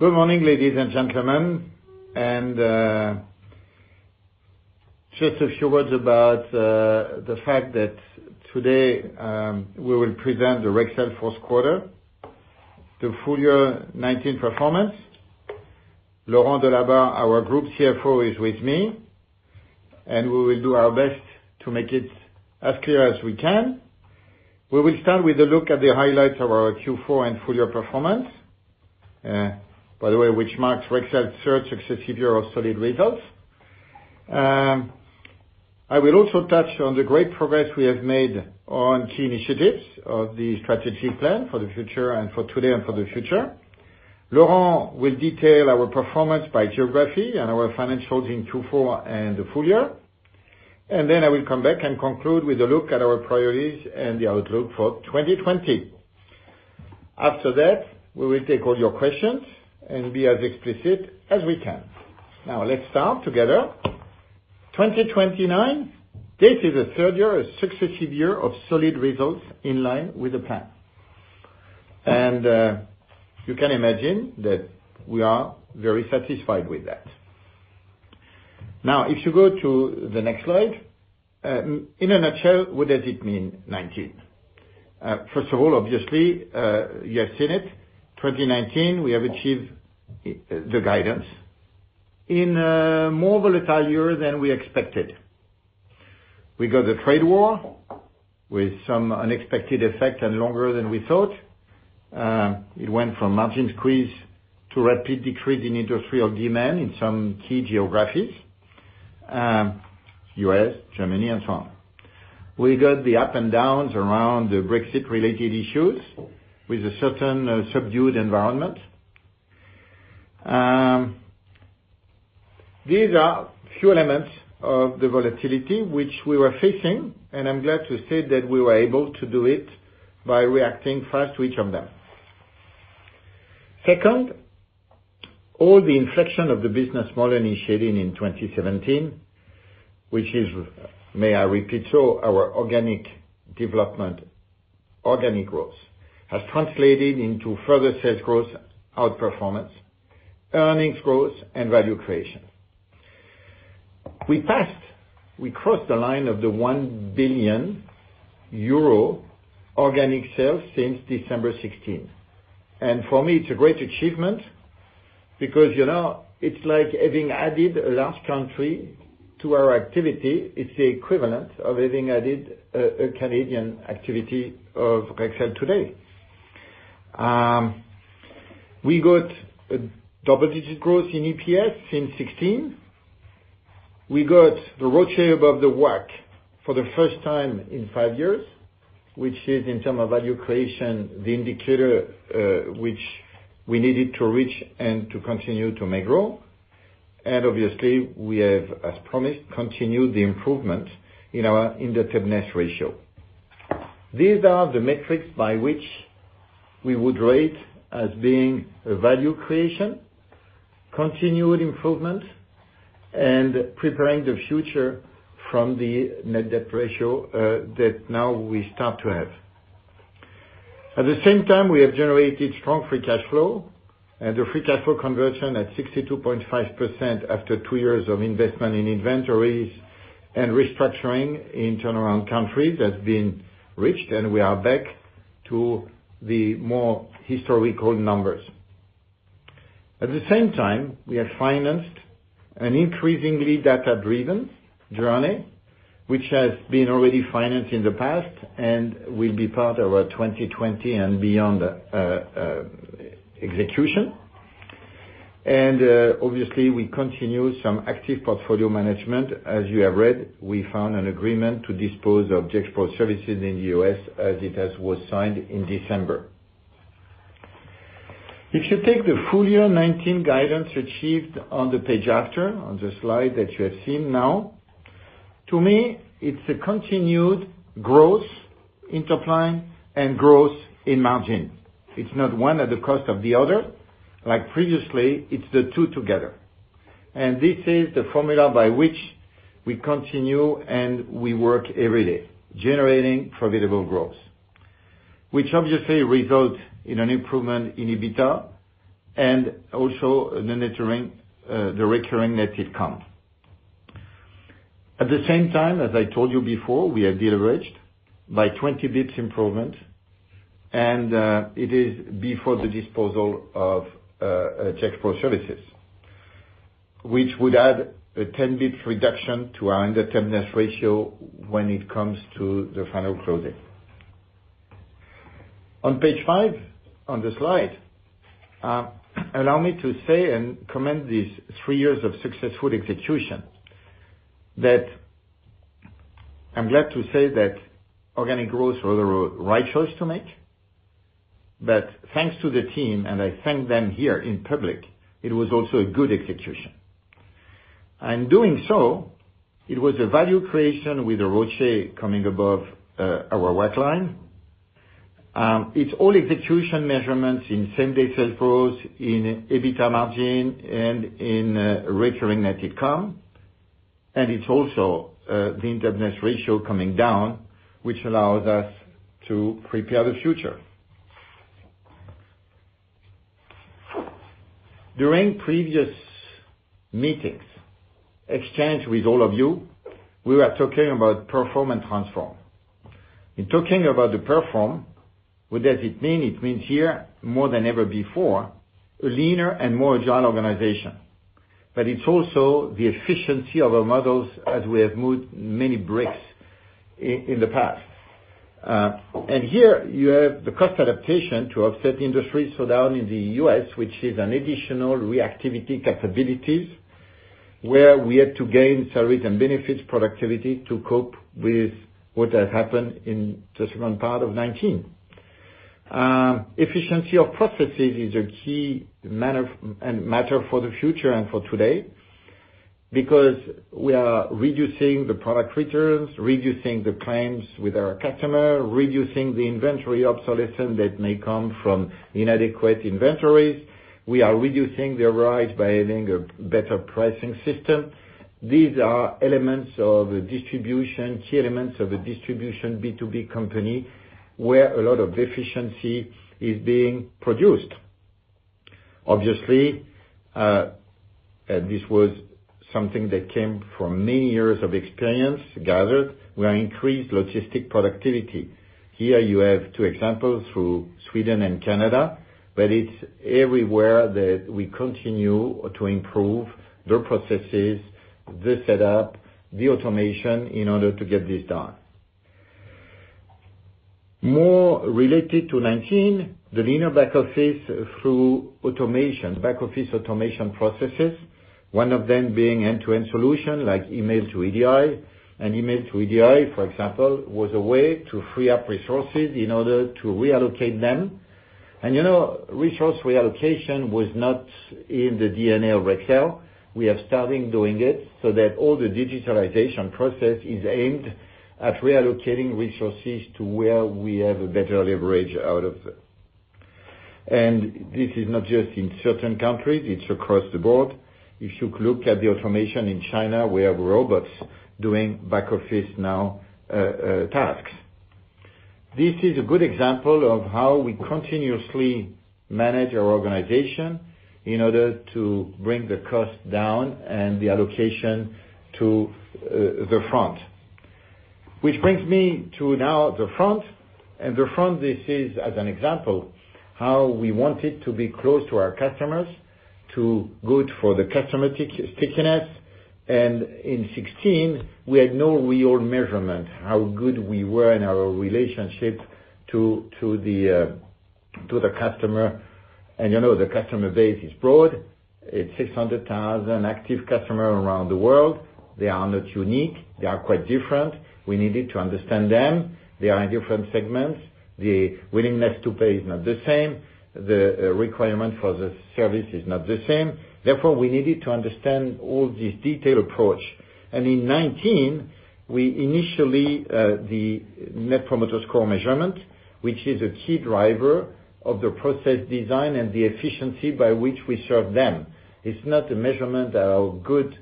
Good morning, ladies and gentlemen. Just a few words about the fact that today, we will present the Rexel Fourth Quarter, The Full Year 2019 Performance. Laurent Delabarre, our Group CFO, is with me, and we will do our best to make it as clear as we can. We will start with a look at the highlights of our Q4 and full-year performance, by the way, which marks Rexel's third successive year of solid results. I will also touch on the great progress we have made on key initiatives of the strategy plan for today and for the future. Laurent will detail our performance by geography and our financials in Q4 and the full year. I will come back and conclude with a look at our priorities and the outlook for 2020. After that, we will take all your questions and be as explicit as we can. Let's start together. 2029, this is the third year, a successive year of solid results in line with the plan. You can imagine that we are very satisfied with that. If you go to the next slide. In a nutshell, what does it mean, 2019? First of all, obviously, you have seen it, 2019, we have achieved the guidance in a more volatile year than we expected. We got the trade war with some unexpected effect and longer than we thought. It went from margin squeeze to rapid decrease in industrial demand in some key geographies, U.S., Germany and so on. We got the up and downs around the Brexit-related issues with a certain subdued environment. These are few elements of the volatility which we were facing, I'm glad to say that we were able to do it by reacting fast to each of them. Second, all the inflection of the business model initiated in 2017, which is, may I repeat so, our organic development, organic growth, has translated into further sales growth outperformance, earnings growth, and value creation. We crossed the line of the €1 billion organic sales since December 2016. For me, it's a great achievement because it's like having added a large country to our activity. It's the equivalent of having added a Canadian activity of Rexel today. We got a double-digit growth in EPS since 2016. We got the ROCE above the WACC for the first time in five years, which is in term of value creation, the indicator which we needed to reach and to continue to make grow. Obviously, we have, as promised, continued the improvement in the debt net ratio. These are the metrics by which we would rate as being a value creation, continued improvement, and preparing the future from the net debt ratio that now we start to have. We have generated strong free cash flow and the free cash flow conversion at 62.5% after two years of investment in inventories and restructuring in turnaround countries has been reached, and we are back to the more historical numbers. We have financed an increasingly data-driven journey, which has been already financed in the past and will be part of our 2020 and beyond execution. Obviously, we continue some active portfolio management. As you have read, we found an agreement to dispose of Gexpro services in the U.S. as it was signed in December. If you take the full year 2019 guidance achieved on the page after, on the slide that you have seen now, to me, it's a continued growth in top line and growth in margin. It's not one at the cost of the other. Like previously, it's the two together. This is the formula by which we continue and we work every day, generating profitable growth, which obviously result in an improvement in EBITDA and also the recurring net income. At the same time, as I told you before, we are deleveraged by 20 basis points improvement. It is before the disposal of Gexpro Services, which would add a 10 basis points reduction to our indebtedness ratio when it comes to the final closing. On page five on the slide, allow me to say and commend these three years of successful execution, that I am glad to say that organic growth was the right choice to make. That thanks to the team, and I thank them here in public, it was also a good execution. Doing so, it was a value creation with the ROCE coming above our WACC line. It is all execution measurements in same-day sales growth, in EBITDA margin, and in recurring net income. It is also the internet ratio coming down, which allows us to prepare the future. During previous meetings, exchange with all of you, we were talking about perform and transform. In talking about the perform, what does it mean? It means here, more than ever before, a leaner and more agile organization. It is also the efficiency of our models as we have moved many bricks in the past. Here you have the cost adaptation to offset the industry slowdown in the U.S., which is an additional reactivity capabilities where we had to gain salaries and benefits, productivity to cope with what has happened in the second part of 2019. Efficiency of processes is a key matter for the future and for today. We are reducing the product returns, reducing the claims with our customer, reducing the inventory obsolescence that may come from inadequate inventories. We are reducing the risk by having a better pricing system. These are key elements of a distribution B2B company where a lot of efficiency is being produced. Obviously, this was something that came from many years of experience gathered. We are increased logistic productivity. Here you have two examples through Sweden and Canada, but it is everywhere that we continue to improve the processes, the setup, the automation in order to get this done. More related to 2019, the leaner back office through automation, back office automation processes, one of them being end-to-end solution like email to EDI. Email to EDI, for example, was a way to free up resources in order to reallocate them. Resource reallocation was not in the DNA of Rexel. We are starting doing it so that all the digitalization process is aimed at reallocating resources to where we have a better leverage out of it. This is not just in certain countries, it is across the board. If you look at the automation in China, we have robots doing back office now tasks. This is a good example of how we continuously manage our organization in order to bring the cost down and the allocation to the front. Which brings me to now the front. The front, this is as an example, how we wanted to be close to our customers, to good for the customer stickiness. In 2016, we had no real measurement how good we were in our relationship to the customer. The customer base is broad. It's 600,000 active customer around the world. They are not unique. They are quite different. We needed to understand them. They are in different segments. The willingness to pay is not the same. The requirement for the service is not the same. Therefore, we needed to understand all this detailed approach. In 2019, we initially, the Net Promoter Score measurement, which is a key driver of the process design and the efficiency by which we serve them. It's not a measurement how good,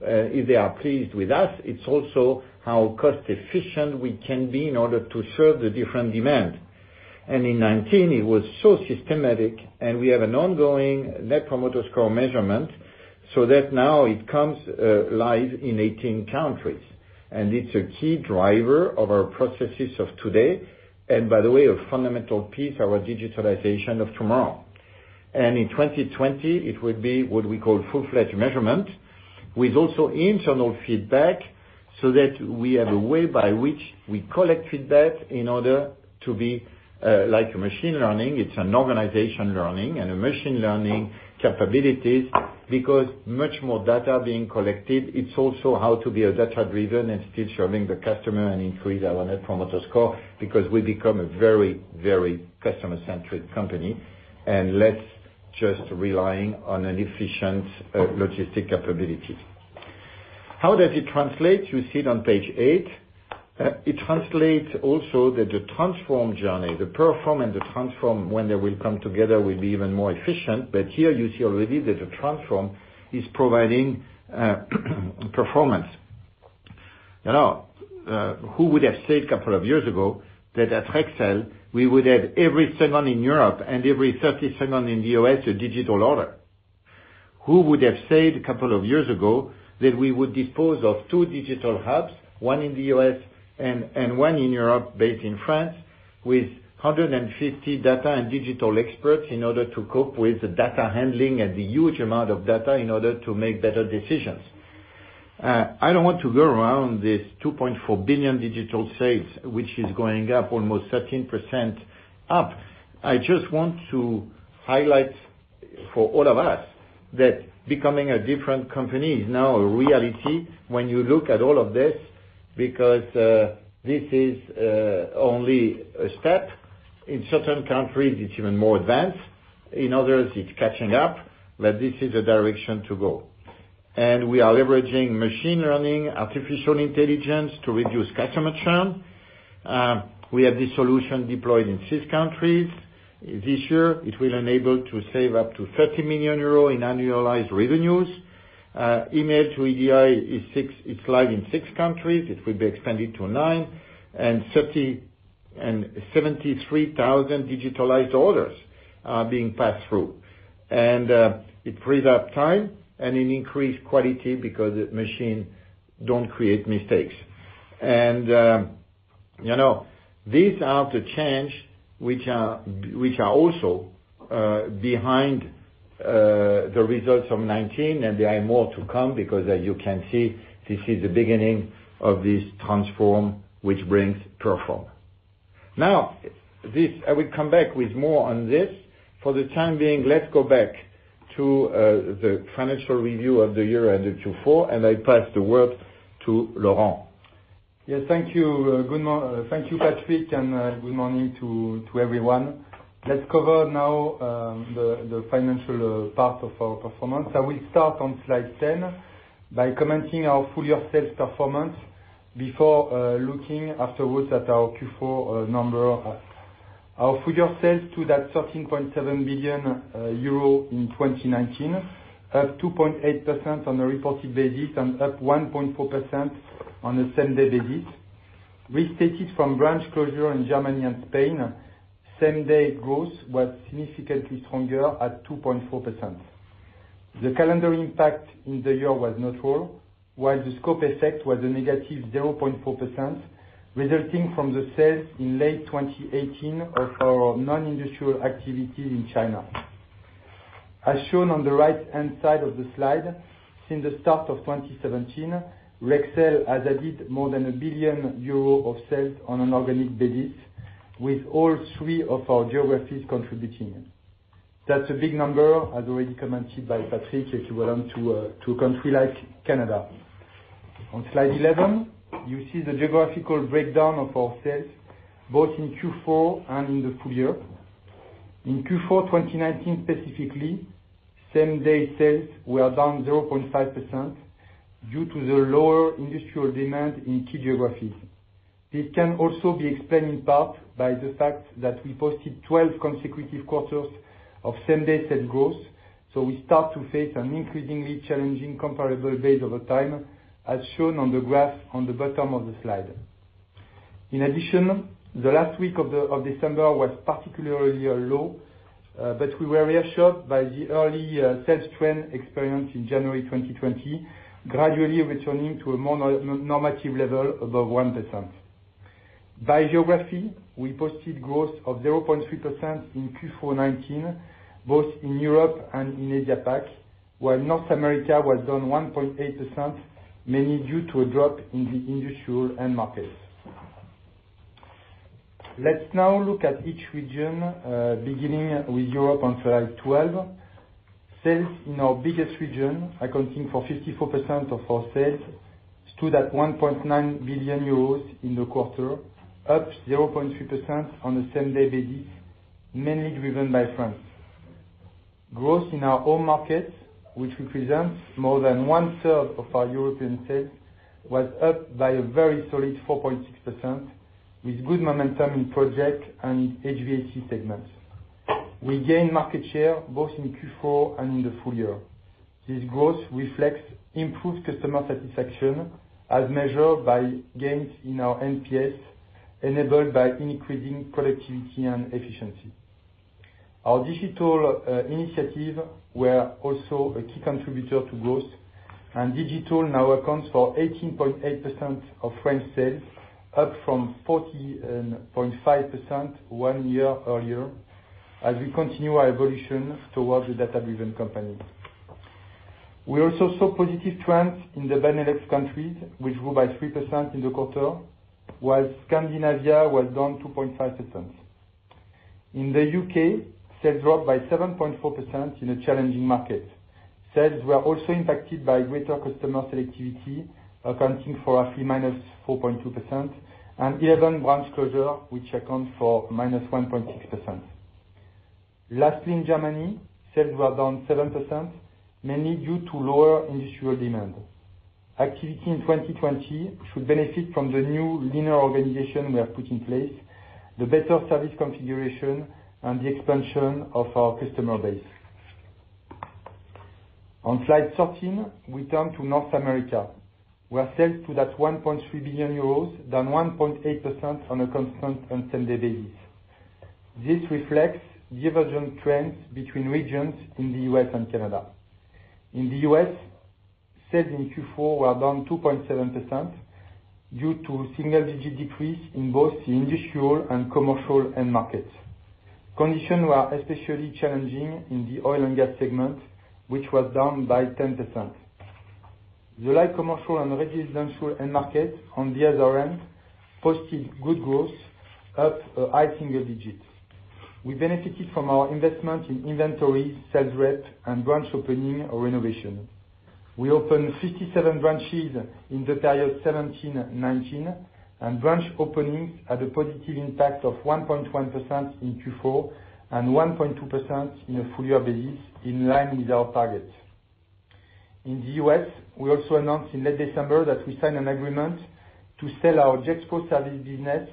if they are pleased with us, it's also how cost efficient we can be in order to serve the different demand. In 2019, it was so systematic, and we have an ongoing Net Promoter Score measurement so that now it comes live in 18 countries. It's a key driver of our processes of today and by the way, a fundamental piece, our digitalization of tomorrow. In 2020, it will be what we call full-fledged measurement, with also internal feedback so that we have a way by which we collect feedback in order to be like a machine learning. It's an organization learning and a machine learning capabilities because much more data being collected. It's also how to be a data-driven entity, serving the customer and increase our Net Promoter Score because we become a very customer-centric company and less just relying on an efficient logistic capability. How does it translate? You see it on page eight. It translates also that the transform journey, the perform and the transform, when they will come together, will be even more efficient. Here you see already that the transform is providing performance. Who would have said a couple of years ago that at Rexel, we would have every second in Europe and every 30 seconds in the U.S. a digital order? Who would have said a couple of years ago that we would dispose of two digital hubs, one in the U.S. and one in Europe based in France, with 150 data and digital experts in order to cope with the data handling and the huge amount of data in order to make better decisions? I don't want to go around this 2.4 billion digital saves, which is going up almost 13% up. I just want to highlight for all of us that becoming a different company is now a reality when you look at all of this, because this is only a step. In certain countries, it's even more advanced. In others, it's catching up. This is a direction to go. We are leveraging machine learning, artificial intelligence to reduce customer churn. We have this solution deployed in six countries. This year, it will enable to save up to 30 million euros in annualized revenues. email to EDI is live in six countries. It will be expanded to nine, 73,000 digitalized orders are being passed through. It frees up time and it increase quality because machine don't create mistakes. These are the change which are also behind the results from 2019, There are more to come because as you can see, this is the beginning of this transform which brings perform. Now, I will come back with more on this. For the time being, let's go back to the financial review of the year and the Q4, I pass the work to Laurent. Thank you, Patrick, good morning to everyone. Let's cover now the financial part of our performance. I will start on slide 10 by commenting our full year sales performance before looking afterwards at our Q4 number. Our full year sales stood at EUR 13.7 billion in 2019, up 2.8% on a reported basis and up 1.4% on a same day basis. Restated from branch closure in Germany and Spain, same day growth was significantly stronger at 2.4%. The calendar impact in the year was neutral, while the scope effect was a negative 0.4%, resulting from the sales in late 2018 of our non-industrial activities in China. As shown on the right-hand side of the slide, since the start of 2017, Rexel has added more than a billion EUR of sales on an organic basis, with all three of our geographies contributing. That's a big number, as already commented by Patrick, equivalent to a country like Canada. On slide 11, you see the geographical breakdown of our sales, both in Q4 and in the full year. In Q4 2019 specifically, same day sales were down 0.5% due to the lower industrial demand in key geographies. It can also be explained in part by the fact that we posted 12 consecutive quarters of same day sales growth, so we start to face an increasingly challenging comparable base over time, as shown on the graph on the bottom of the slide. In addition, the last week of December was particularly low, but we were reassured by the early sales trend experienced in January 2020, gradually returning to a more normative level above 1%. By geography, we posted growth of 0.3% in Q4 2019, both in Europe and in Asia Pac, while North America was down 1.8%, mainly due to a drop in the industrial end markets. Let's now look at each region, beginning with Europe on slide 12. Sales in our biggest region, accounting for 54% of our sales, stood at 1.9 billion euros in the quarter, up 0.3% on a same day basis, mainly driven by France. Growth in our home market, which represents more than one-third of our European sales, was up by a very solid 4.6%, with good momentum in project and HVAC segments. We gained market share both in Q4 and in the full year. This growth reflects improved customer satisfaction as measured by gains in our NPS, enabled by increasing productivity and efficiency. Our digital initiatives were also a key contributor to growth. Digital now accounts for 18.8% of French sales, up from 14.5% one year earlier, as we continue our evolution towards a data-driven company. We also saw positive trends in the Benelux countries, which grew by 3% in the quarter, while Scandinavia was down 2.5%. In the U.K., sales dropped by 7.4% in a challenging market. Sales were also impacted by greater customer selectivity, accounting for a fee -4.2%, and 11 branch closure, which accounts for -1.6%. Lastly, in Germany, sales were down 7%, mainly due to lower industrial demand. Activity in 2020 should benefit from the new linear organization we have put in place, the better service configuration, and the expansion of our customer base. On slide 13, we turn to North America, where sales stood at 1.3 billion euros, down 1.8% on a constant and same day basis. This reflects divergent trends between regions in the U.S. and Canada. In the U.S., sales in Q4 were down 2.7% due to single-digit decrease in both the industrial and commercial end markets. Conditions were especially challenging in the oil and gas segment, which was down by 10%. The light commercial and residential end market, on the other end, posted good growth, up a high single digit. We benefited from our investment in inventory, sales rep, and branch opening or renovation. We opened 57 branches in the period 2017-2019. Branch openings had a positive impact of 1.1% in Q4 and 1.2% in a full year basis, in line with our target. In the U.S., we also announced in late December that we signed an agreement to sell our Gexpro Services business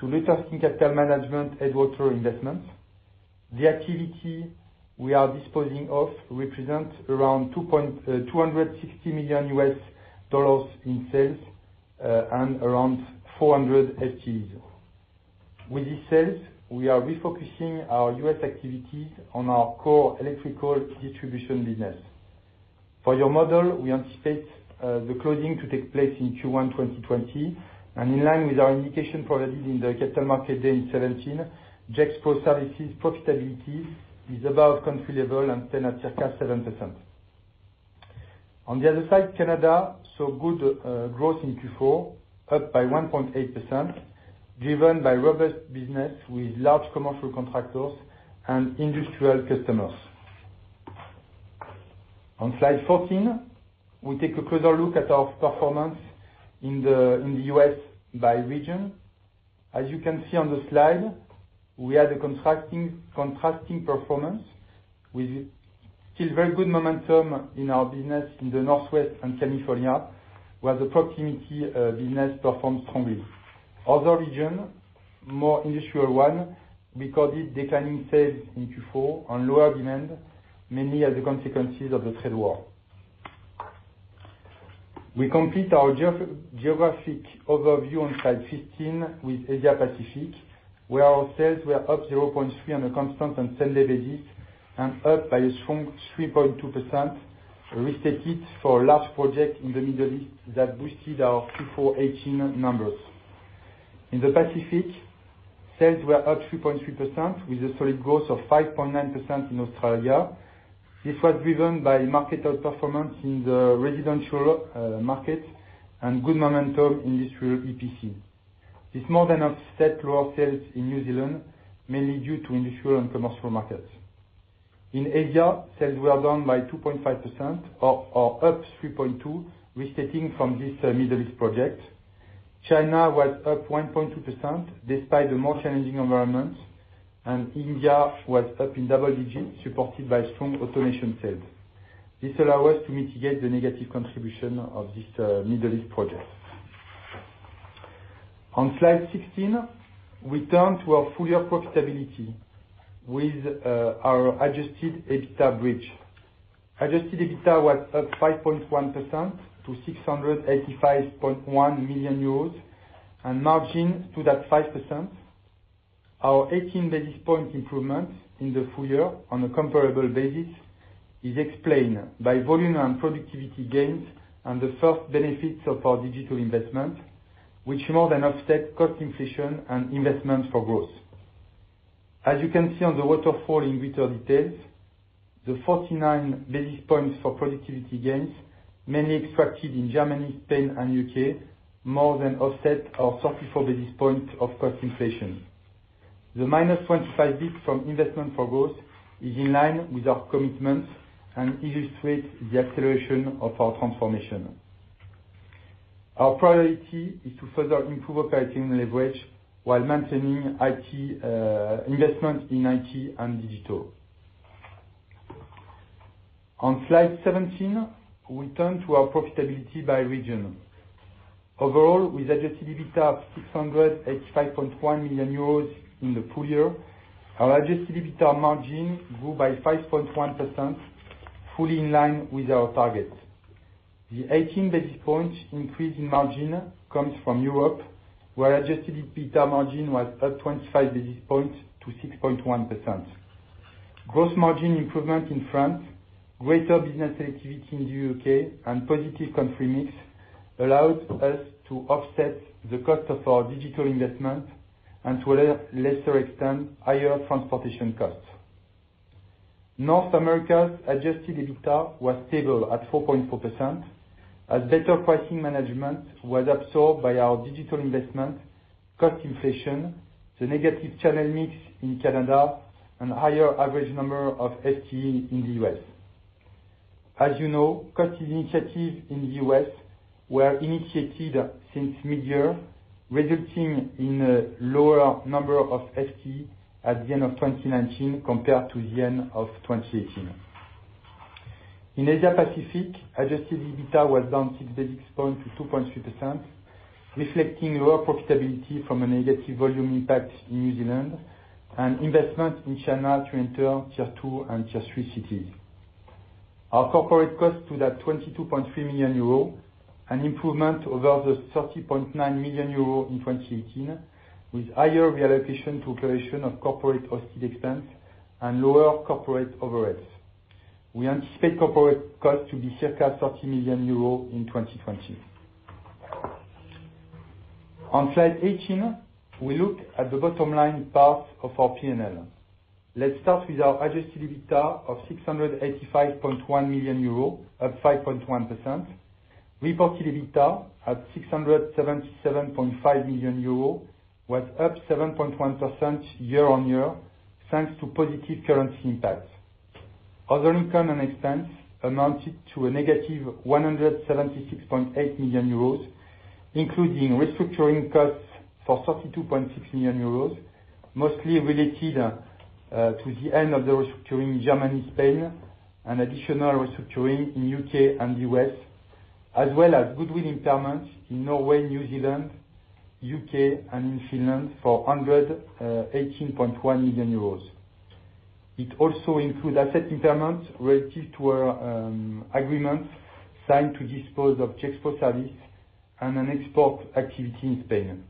to LKCM Headwater Investments, Edgewater Investments. The activity we are disposing of represents around $260 million in sales, and around 400 FTEs. With this sales, we are refocusing our U.S. activities on our core electrical distribution business. For your model, we anticipate the closing to take place in Q1 2020. In line with our indication provided in the capital market day in 2017, Gexpro Services profitability is above country level and stand at circa 7%. On the other side, Canada saw good growth in Q4, up by 1.8%, driven by robust business with large commercial contractors and industrial customers. On slide 14, we take a closer look at our performance in the U.S. by region. As you can see on the slide, we had a contrasting performance with still very good momentum in our business in the Northwest and California, where the proximity business performed strongly. Other region, more industrial one, recorded declining sales in Q4 on lower demand, mainly as a consequences of the trade war. We complete our geographic overview on slide 15 with Asia Pacific, where our sales were up 0.3 on a constant and same day basis, and up by a strong 3.2%, restated for a large project in the Middle East that boosted our Q4 2018 numbers. In the Pacific, sales were up 3.3% with a solid growth of 5.9% in Australia. This was driven by market outperformance in the residential market and good momentum industrial EPC. This more than offset lower sales in New Zealand, mainly due to industrial and commercial markets. In Asia, sales were down by 2.5% or up 3.2%, restating from this Middle East project. China was up 1.2%, despite the more challenging environment. India was up in double digits, supported by strong automation sales. This allow us to mitigate the negative contribution of this Middle East project. On slide 16, we turn to our full-year profitability with our adjusted EBITDA bridge. Adjusted EBITDA was up 5.1% to EUR 685.1 million. Margin stood at 5%. Our 18 basis point improvement in the full year on a comparable basis is explained by volume and productivity gains and the first benefits of our digital investment, which more than offset cost inflation and investment for growth. As you can see on the waterfall in greater details, the 49 basis points for productivity gains, mainly extracted in Germany, Spain, and U.K., more than offset our 34 basis points of cost inflation. The minus 25 basis points from investment for growth is in line with our commitments and illustrates the acceleration of our transformation. Our priority is to further improve operating leverage while maintaining investment in IT and digital. On slide 17, we turn to our profitability by region. Overall, with adjusted EBITDA up 685.1 million euros in the full year, our adjusted EBITDA margin grew by 5.1%, fully in line with our target. The 18 basis points increase in margin comes from Europe, where adjusted EBITDA margin was up 25 basis points to 6.1%. Gross margin improvement in France, greater business activity in the U.K., and positive country mix allowed us to offset the cost of our digital investment and to a lesser extent, higher transportation costs. North America's adjusted EBITDA was stable at 4.4%, as better pricing management was absorbed by our digital investment, cost inflation, the negative channel mix in Canada, and higher average number of FTE in the U.S. As you know, cost initiatives in the U.S. were initiated since mid-year, resulting in a lower number of FTE at the end of 2019 compared to the end of 2018. In Asia Pacific, adjusted EBITDA was down six basis points to 2.3%, reflecting lower profitability from a negative volume impact in New Zealand and investment in China to enter tier 2 and tier 3 cities. Our corporate cost stood at 22.3 million euro, an improvement over the 30.9 million euro in 2018, with higher reallocation to creation of corporate hosted expense and lower corporate overheads. We anticipate corporate cost to be circa 30 million euros in 2020. On slide 18, we look at the bottom line part of our P&L. Let's start with our adjusted EBITDA of 685.1 million euro, up 5.1%. Reported EBITDA at 677.5 million euro was up 7.1% year-over-year, thanks to positive currency impact. Other income and expense amounted to a negative 176.8 million euros, including restructuring costs for 32.6 million euros, mostly related to the end of the restructuring in Germany, Spain, and additional restructuring in U.K. and U.S., as well as goodwill impairments in Norway, New Zealand, U.K. and in Finland for 118.1 million euros. It also includes asset impairment related to our agreements signed to dispose of Gexpro Services and an export activity in Spain.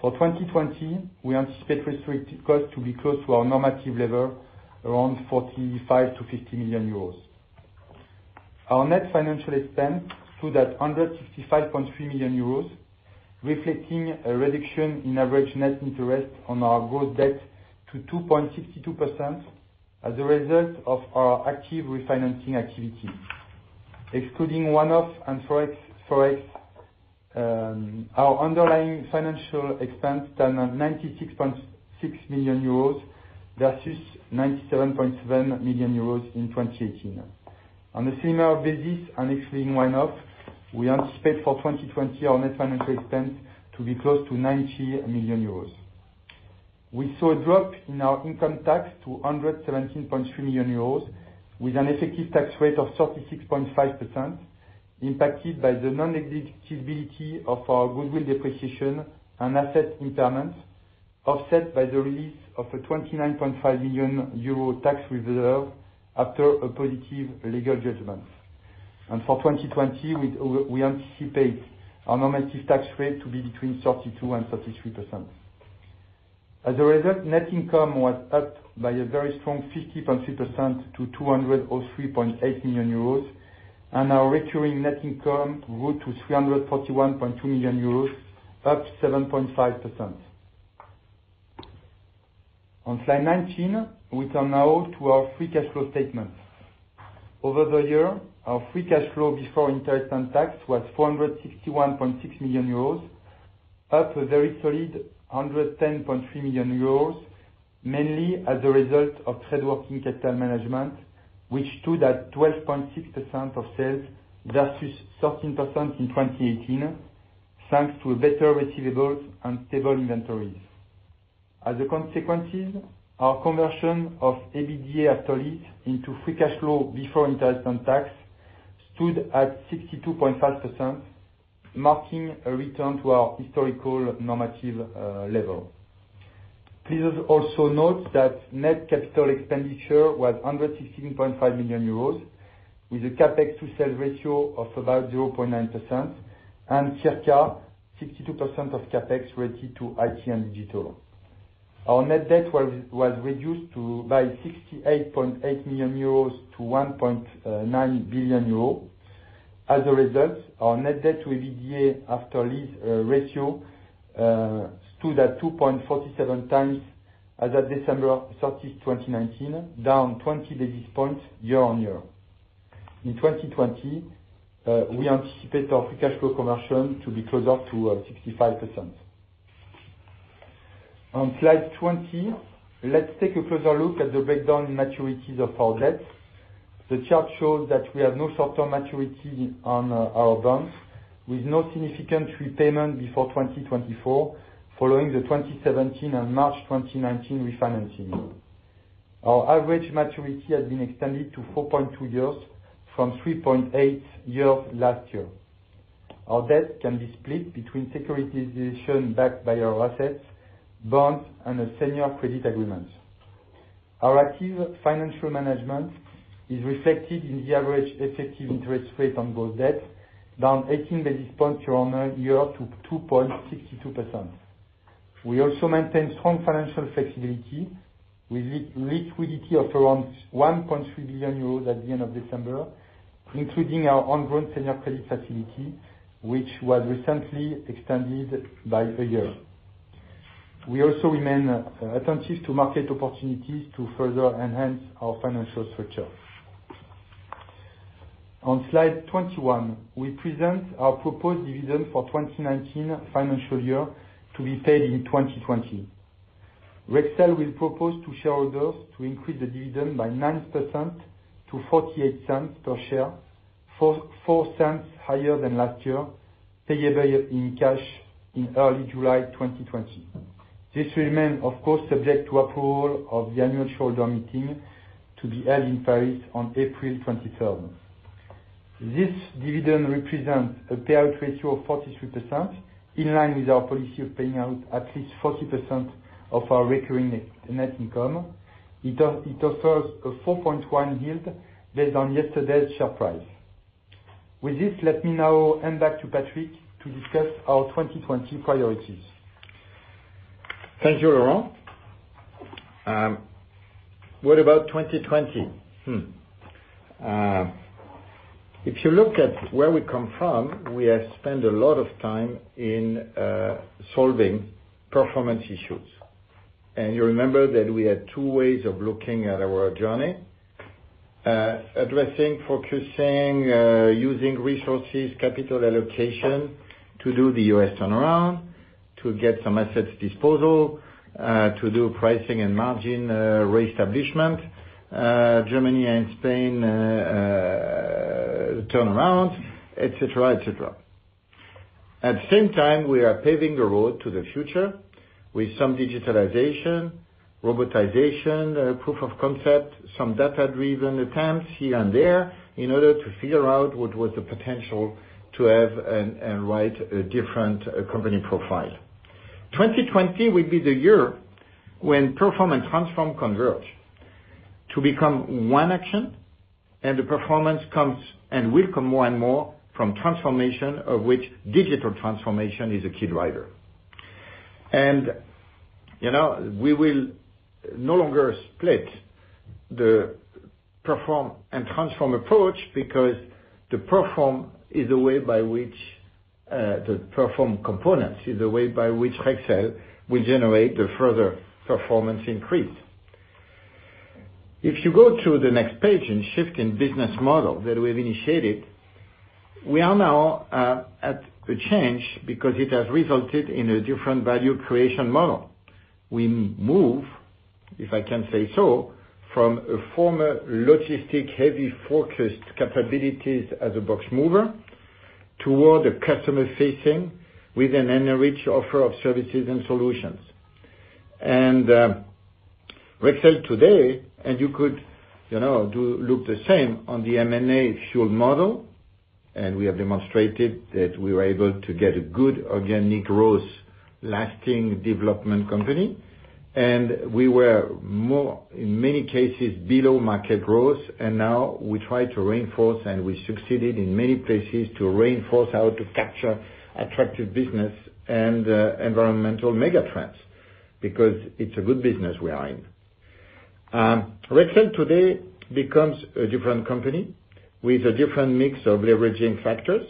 For 2020, we anticipate restructuring costs to be close to our normative level, around 45 million-50 million euros. Our net financial expense stood at 165.3 million euros, reflecting a reduction in average net interest on our gross debt to 2.62% as a result of our active refinancing activity. Excluding one-off and Forex, our underlying financial expense stood at 96.6 million euros versus 97.7 million euros in 2018. On a similar basis and excluding one-off, we anticipate for 2020 our net financial expense to be close to 90 million euros. We saw a drop in our income tax to 117.3 million euros, with an effective tax rate of 36.5%, impacted by the non-eligibility of our goodwill depreciation and asset impairment, offset by the release of a 29.5 million euro tax reserve after a positive legal judgment. For 2020, we anticipate our normative tax rate to be between 32% and 33%. As a result, net income was up by a very strong 50.3% to 203.8 million euros. Our recurring net income grew to 341.2 million euros, up 7.5%. On slide 19, we turn now to our free cash flow statement. Over the year, our free cash flow before interest and tax was 461.6 million euros, up a very solid 110.3 million euros, mainly as a result of trade working capital management, which stood at 12.6% of sales versus 13% in 2018, thanks to better receivables and stable inventories. As a consequence, our conversion of EBITDA after lease into free cash flow before interest and tax stood at 62.5%, marking a return to our historical normative level. Please also note that net CapEx was 116.5 million euros, with a CapEx to sales ratio of about 0.9% and circa 62% of CapEx related to IT and digital. Our net debt was reduced by 68.8 million euros to 1.9 billion euros. Our net debt to EBITDA after lease ratio stood at 2.47X as at December 30th, 2019, down 20 basis points year-on-year. In 2020, we anticipate our free cash flow conversion to be closer to 65%. On slide 20, let's take a closer look at the breakdown in maturities of our debt. The chart shows that we have no short-term maturity on our bonds, with no significant repayment before 2024, following the 2017 and March 2019 refinancing. Our average maturity has been extended to 4.2 years from 3.8 years last year. Our debt can be split between securitization backed by our assets, bonds, and a senior credit agreement. Our active financial management is reflected in the average effective interest rate on gross debt, down 18 basis points year-on-year to 2.62%. We also maintain strong financial flexibility with liquidity of around 1.3 billion euros at the end of December, including our ongoing senior credit facility, which was recently extended by a year. We also remain attentive to market opportunities to further enhance our financial structure. On slide 21, we present our proposed dividend for 2019 financial year to be paid in 2020. Rexel will propose to shareholders to increase the dividend by 9% to 0.48 per share, 0.04 higher than last year, payable in cash in early July 2020. This remains, of course, subject to approval of the annual shareholder meeting to be held in Paris on April 23rd. This dividend represents a payout ratio of 43%, in line with our policy of paying out at least 40% of our recurring net income. It offers a 4.1 yield based on yesterday's share price. With this, let me now hand back to Patrick to discuss our 2020 priorities. Thank you, Laurent. What about 2020? If you look at where we come from, we have spent a lot of time in solving performance issues. You remember that we had two ways of looking at our journey. Addressing, focusing, using resources, capital allocation to do the U.S. turnaround, to get some assets disposal, to do pricing and margin reestablishment, Germany and Spain turnaround, et cetera. At the same time, we are paving the road to the future with some digitalization, robotization, proof of concept, some data-driven attempts here and there in order to figure out what was the potential to have and write a different company profile. 2020 will be the year when perform and transform converge to become one action, and the performance comes and will come more and more from transformation, of which digital transformation is a key driver. We will no longer split the perform and transform approach because the perform components is a way by which Rexel will generate the further performance increase. If you go to the next page, in shifting business model that we've initiated, we are now at the change because it has resulted in a different value creation model. We move, if I can say so, from a former logistic heavy focused capabilities as a box mover, toward a customer-facing with an enriched offer of services and solutions. Rexel today, and you could look the same on the M&A fueled model, and we have demonstrated that we were able to get a good organic growth lasting development company. We were more, in many cases, below market growth. Now we try to reinforce, and we succeeded in many places to reinforce how to capture attractive business and environmental mega trends, because it's a good business we are in. Rexel today becomes a different company with a different mix of leveraging factors.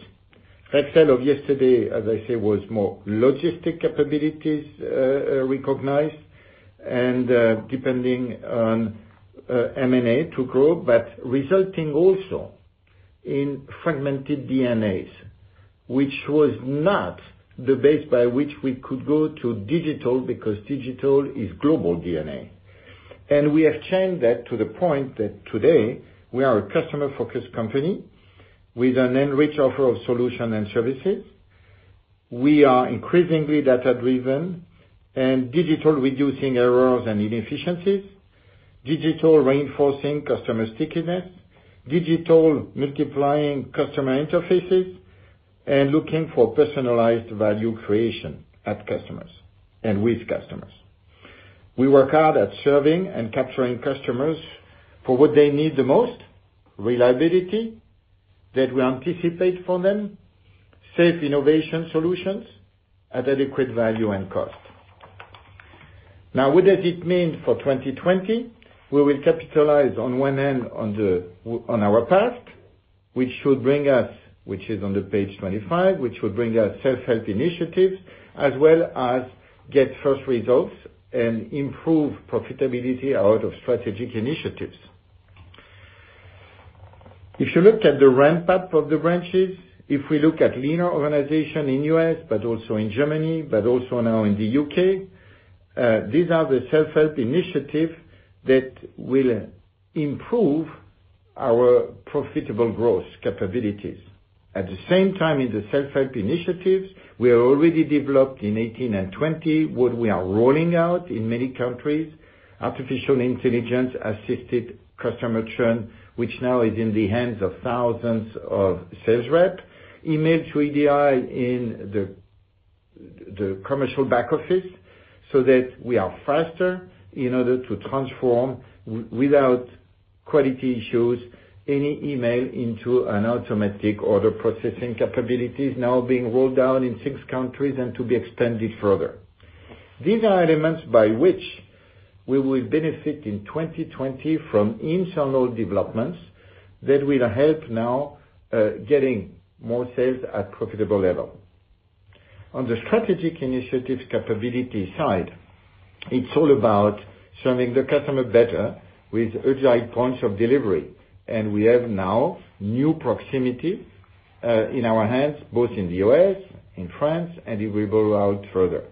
Rexel of yesterday, as I say, was more logistic capabilities recognized and depending on M&A to grow, but resulting also in fragmented DNAs, which was not the base by which we could go to digital, because digital is global DNA. We have changed that to the point that today we are a customer-focused company with an enriched offer of solution and services. We are increasingly data-driven and digital, reducing errors and inefficiencies, digital reinforcing customer stickiness, digital multiplying customer interfaces, and looking for personalized value creation at customers and with customers. We work hard at serving and capturing customers for what they need the most, reliability that we anticipate for them, safe innovation solutions at adequate value and cost. What does it mean for 2020? We will capitalize on one end on our past, which should bring us, which is on the page 25, which will bring us self-help initiatives as well as get first results and improve profitability out of strategic initiatives. If you look at the ramp-up of the branches, if we look at leaner organization in U.S., but also in Germany, but also now in the U.K., these are the self-help initiative that will improve our profitable growth capabilities. At the same time, in the self-help initiatives, we are already developed in 2018 and 2020, what we are rolling out in many countries, artificial intelligence-assisted customer churn, which now is in the hands of thousands of sales reps, image VDI in the commercial back office, so that we are faster in order to transform without quality issues any email to EDI, automatic order processing capabilities now being rolled out in six countries and to be extended further. These are elements by which we will benefit in 2020 from internal developments that will help now getting more sales at profitable level. It's all about serving the customer better with agile points of delivery. We have now new proximity in our hands, both in the U.S., in France, and it will roll out further.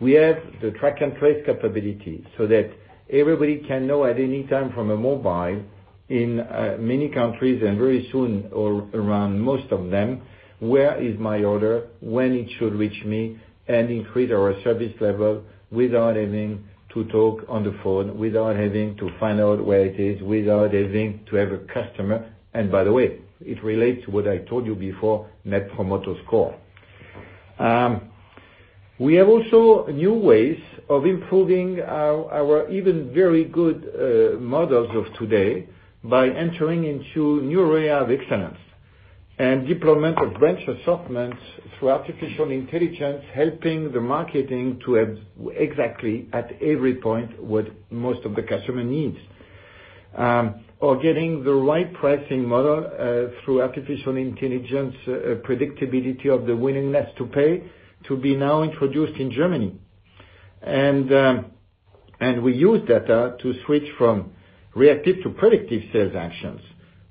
We have the track and trace capability so that everybody can know at any time from a mobile in many countries and very soon around most of them, where is my order, when it should reach me, and increase our service level without having to talk on the phone, without having to find out where it is, without having to have a customer. By the way, it relates to what I told you before, Net Promoter Score. We have also new ways of improving our even very good models of today by entering into new area of excellence and deployment of branch assortment through artificial intelligence, helping the marketing to have exactly at every point what most of the customer needs. Getting the right pricing model through artificial intelligence, predictability of the willingness to pay to be now introduced in Germany. We use data to switch from reactive to predictive sales actions.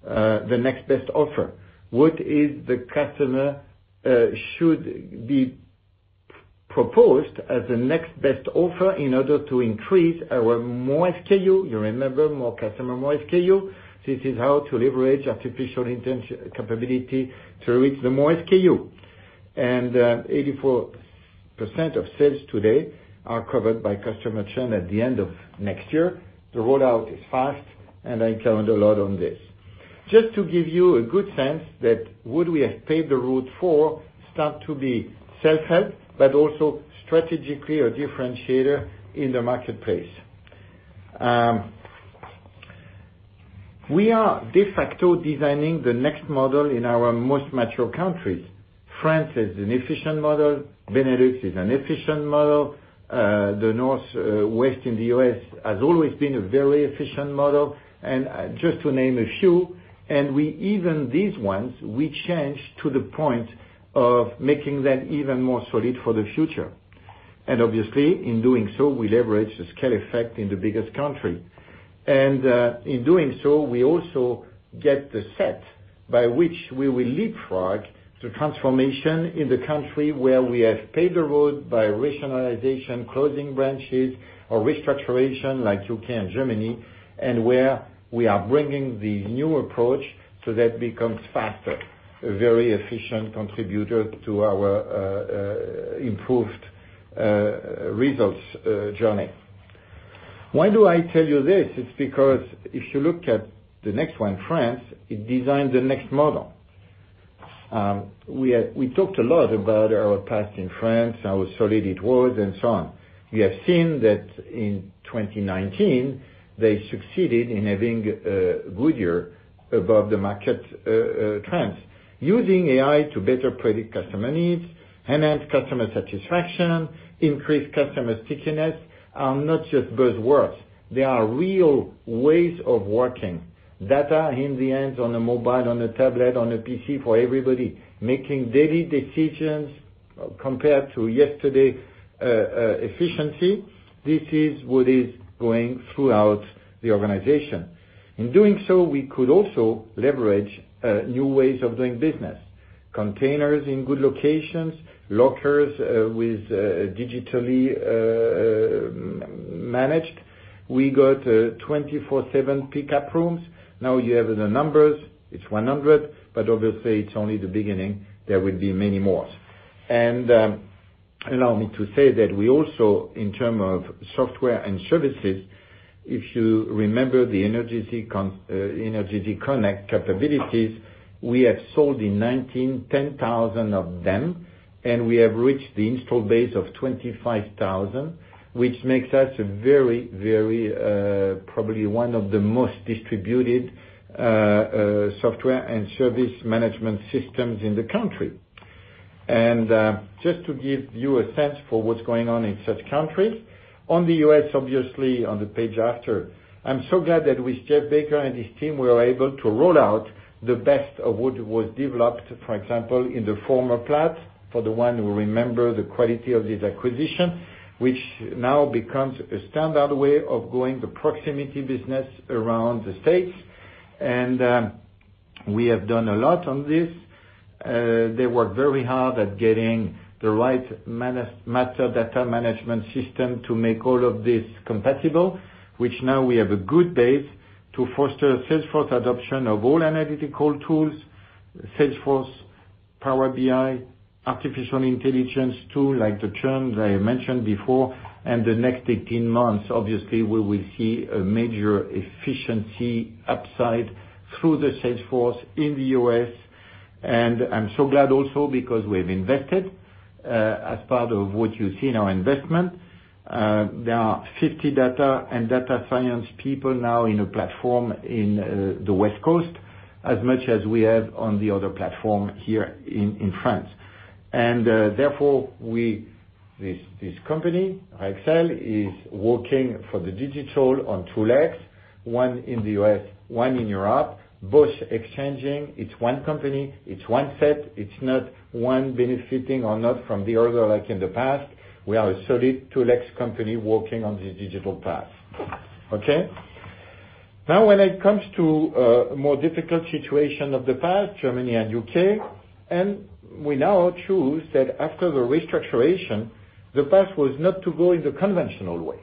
The next best offer, what is the customer should be proposed as the next best offer in order to increase our more SKU. You remember more customer, more SKU. This is how to leverage artificial intelligence capability to reach the more SKU. 84% of sales today are covered by customer churn at the end of next year. The rollout is fast, and I count a lot on this. Just to give you a good sense that would we have paved the route for start to be self-help, but also strategically a differentiator in the marketplace. We are de facto designing the next model in our most mature countries. France is an efficient model, Benelux is an efficient model. The Northwest in the U.S. has always been a very efficient model, and just to name a few, and we even these ones, we change to the point of making them even more solid for the future. Obviously, in doing so, we leverage the scale effect in the biggest country. In doing so, we also get the set by which we will leapfrog the transformation in the country where we have paved the road by rationalization, closing branches or restoration like U.K. and Germany, and where we are bringing the new approach so that it becomes faster, a very efficient contributor to our improved results journey. Why do I tell you this? It's because if you look at the next one, France, it designs the next model. We talked a lot about our past in France, how solid it was, and so on. We have seen that in 2019, they succeeded in having a good year above the market trends. Using AI to better predict customer needs, enhance customer satisfaction, increase customer stickiness are not just buzzwords. They are real ways of working data in the end, on a mobile, on a tablet, on a PC for everybody making daily decisions compared to yesterday efficiency. This is what is going throughout the organization. In doing so, we could also leverage new ways of doing business. Containers in good locations, lockers with digitally managed. We got 24/7 pickup rooms. Now you have the numbers, it's 100, obviously, it's only the beginning. There will be many more. Allow me to say that we also, in term of software and services, if you remember the Energeasy Connect capabilities, we have sold in 2019, 10,000 of them, and we have reached the install base of 25,000, which makes us a very, probably one of the most distributed software and service management systems in the country. Just to give you a sense for what's going on in such countries, on the U.S. obviously on the page after, I'm so glad that with Jeff Baker and his team, we are able to roll out the best of what was developed, for example, in the former Platt for the one who remember the quality of this acquisition, which now becomes a standard way of going the proximity business around the states. We have done a lot on this. They work very hard at getting the right metadata management system to make all of this compatible, which now we have a good base to foster Salesforce adoption of all analytical tools, Salesforce, Power BI, artificial intelligence tool, like the churn that I mentioned before. The next 18 months, obviously, we will see a major efficiency upside through the Salesforce in the U.S. I'm so glad also because we've invested, as part of what you see in our investment. There are 50 data and data science people now in a platform in the West Coast as much as we have on the other platform here in France. Therefore, this company, Rexel, is working for the digital on two legs, one in the U.S., one in Europe, both exchanging. It's one company, it's one set. It's not one benefiting or not from the other, like in the past. When it comes to a more difficult situation of the past, Germany and U.K., and we now choose that after the restructuration, the path was not to go in the conventional way.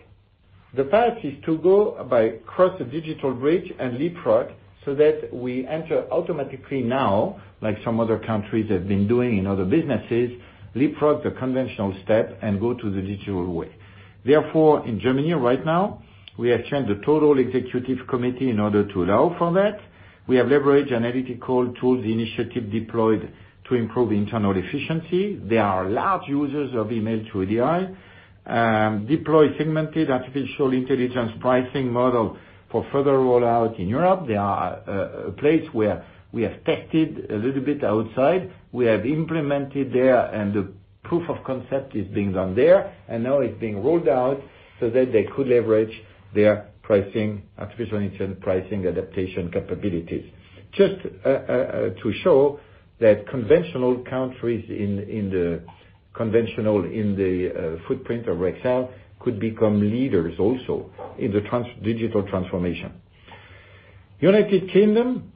The path is to go by cross the digital bridge and leapfrog so that we enter automatically now, like some other countries have been doing in other businesses, leapfrog the conventional step and go to the digital way. In Germany right now, we have changed the total Executive Committee in order to allow for that. We have leveraged analytical tools, the initiative deployed to improve internal efficiency. There are large users of email to EDI. Deploy segmented artificial intelligence pricing model for further rollout in Europe. There are a place where we have tested a little bit outside. We have implemented there and the proof of concept is being done there, and now it's being rolled out so that they could leverage their pricing, artificial intelligence pricing adaptation capabilities. Just to show that conventional countries in the conventional, in the footprint of Rexel could become leaders also in the digital transformation. United Kingdom,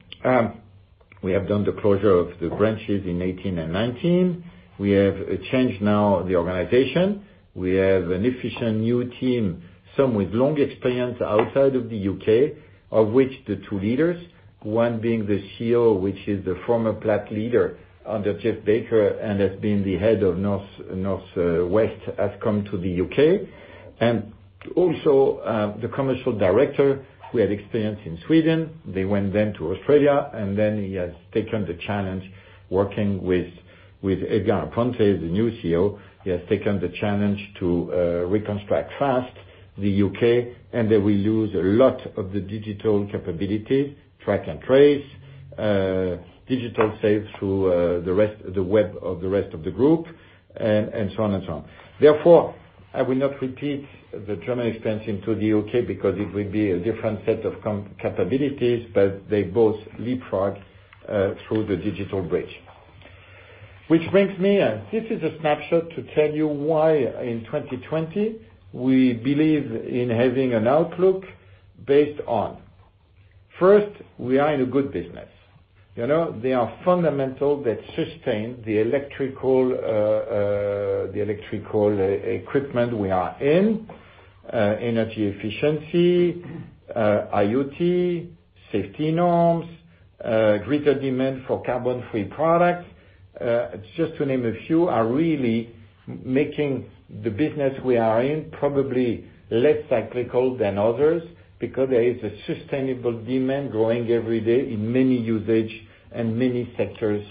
we have done the closure of the branches in 2018 and 2019. We have changed now the organization. We have an efficient new team, some with long experience outside of the U.K., of which the two leaders, one being the CEO, which is the former Platt leader under Jeff Baker, and has been the head of Northwest, has come to the U.K.. Also, the commercial director, who had experience in Sweden, they went then to Australia, and then he has taken the challenge working with Edgar Ponte, the new CEO. He has taken the challenge to reconstruct fast the U.K., and they will use a lot of the digital capability, track and trace, digital sales through the web of the rest of the group, and so on. Therefore, I will not repeat the journey expansion to the U.K. because it will be a different set of capabilities, but they both leapfrog through the digital bridge. Which brings me, this is a snapshot to tell you why, in 2020, we believe in having an outlook based on. First, we are in a good business. They are fundamental that sustain the electrical equipment we are in. Energy efficiency, IoT, safety norms, greater demand for carbon-free products, just to name a few, are really making the business we are in probably less cyclical than others, because there is a sustainable demand growing every day in many usage and many sectors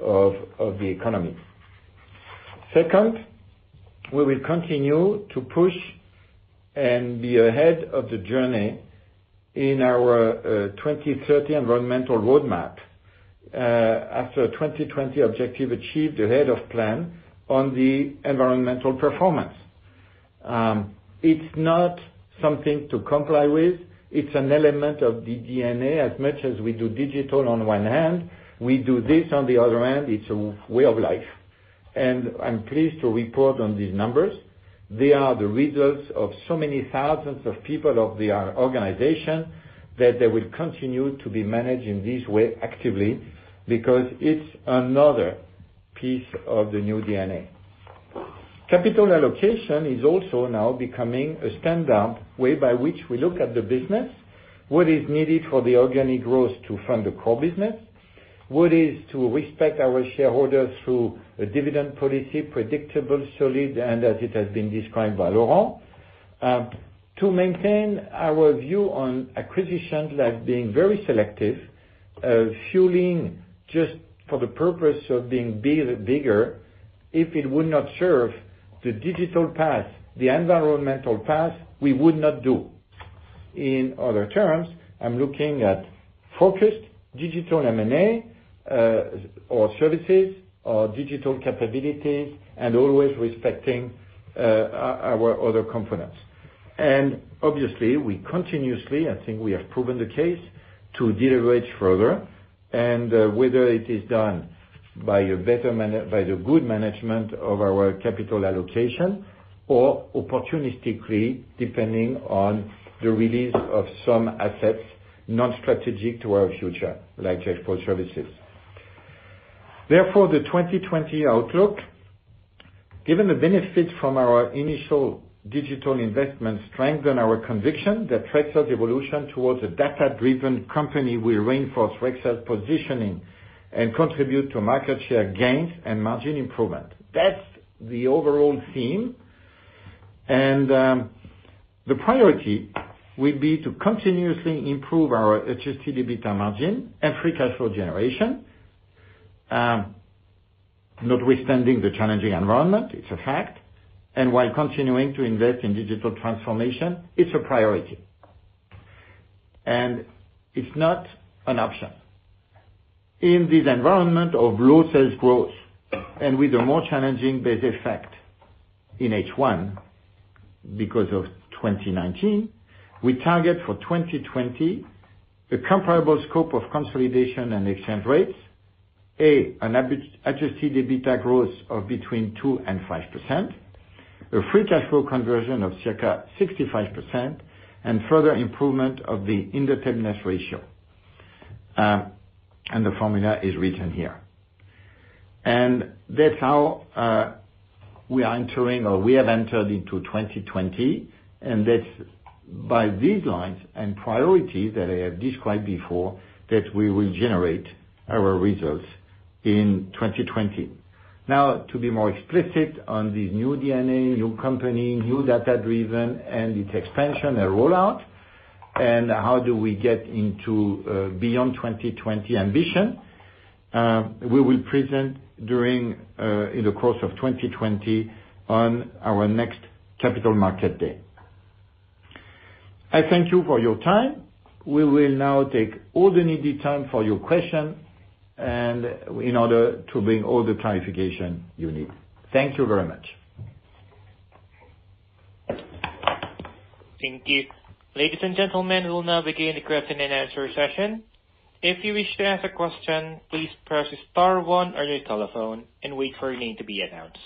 of the economy. Second, we will continue to push and be ahead of the journey in our 2030 environmental roadmap, after 2020 objective achieved ahead of plan on the environmental performance. It's not something to comply with. It's an element of the DNA. As much as we do digital on one hand, we do this on the other hand. It's a way of life. I'm pleased to report on these numbers. They are the results of so many thousands of people of the organization, that they will continue to be managed in this way actively, because it's another piece of the new DNA. Capital allocation is also now becoming a standard way by which we look at the business. What is needed for the organic growth to fund the core business, what is to respect our shareholders through a dividend policy, predictable, solid, and as it has been described by Laurent. To maintain our view on acquisitions like being very selective, fueling just for the purpose of being bigger, if it would not serve the digital path, the environmental path, we would not do. In other terms, I'm looking at focused digital M&A or services or digital capabilities and always respecting our other components. Obviously, we continuously, I think we have proven the case, to deleverage further, and whether it is done by the good management of our capital allocation or opportunistically, depending on the release of some assets not strategic to our future, like Gexpro Services. Therefore, the 2020 outlook. Given the benefit from our initial digital investment strength and our conviction that Rexel's evolution towards a data-driven company will reinforce Rexel's positioning and contribute to market share gains and margin improvement. That's the overall theme. The priority will be to continuously improve our adjusted EBITDA margin and free cash flow generation notwithstanding the challenging environment, it's a fact, while continuing to invest in digital transformation, it's a priority. It's not an option. In this environment of low sales growth and with a more challenging base effect in H1 because of 2019, we target for 2020 a comparable scope of consolidation and exchange rates. An adjusted EBITDA growth of between 2% and 5%, a free cash flow conversion of circa 65%, and further improvement of the indebtedness ratio. The formula is written here. That's how we are entering or we have entered into 2020, and that's by these lines and priorities that I have described before that we will generate our results in 2020. Now to be more explicit on the new DNA, new company, new data-driven and its expansion and rollout, and how do we get into beyond 2020 ambition, we will present during in the course of 2020 on our next capital market day. I thank you for your time. We will now take all the needed time for your question and in order to bring all the clarification you need. Thank you very much. Thank you. Ladies and gentlemen, we'll now begin the question and answer session. If you wish to ask a question, please press star one on your telephone and wait for your name to be announced.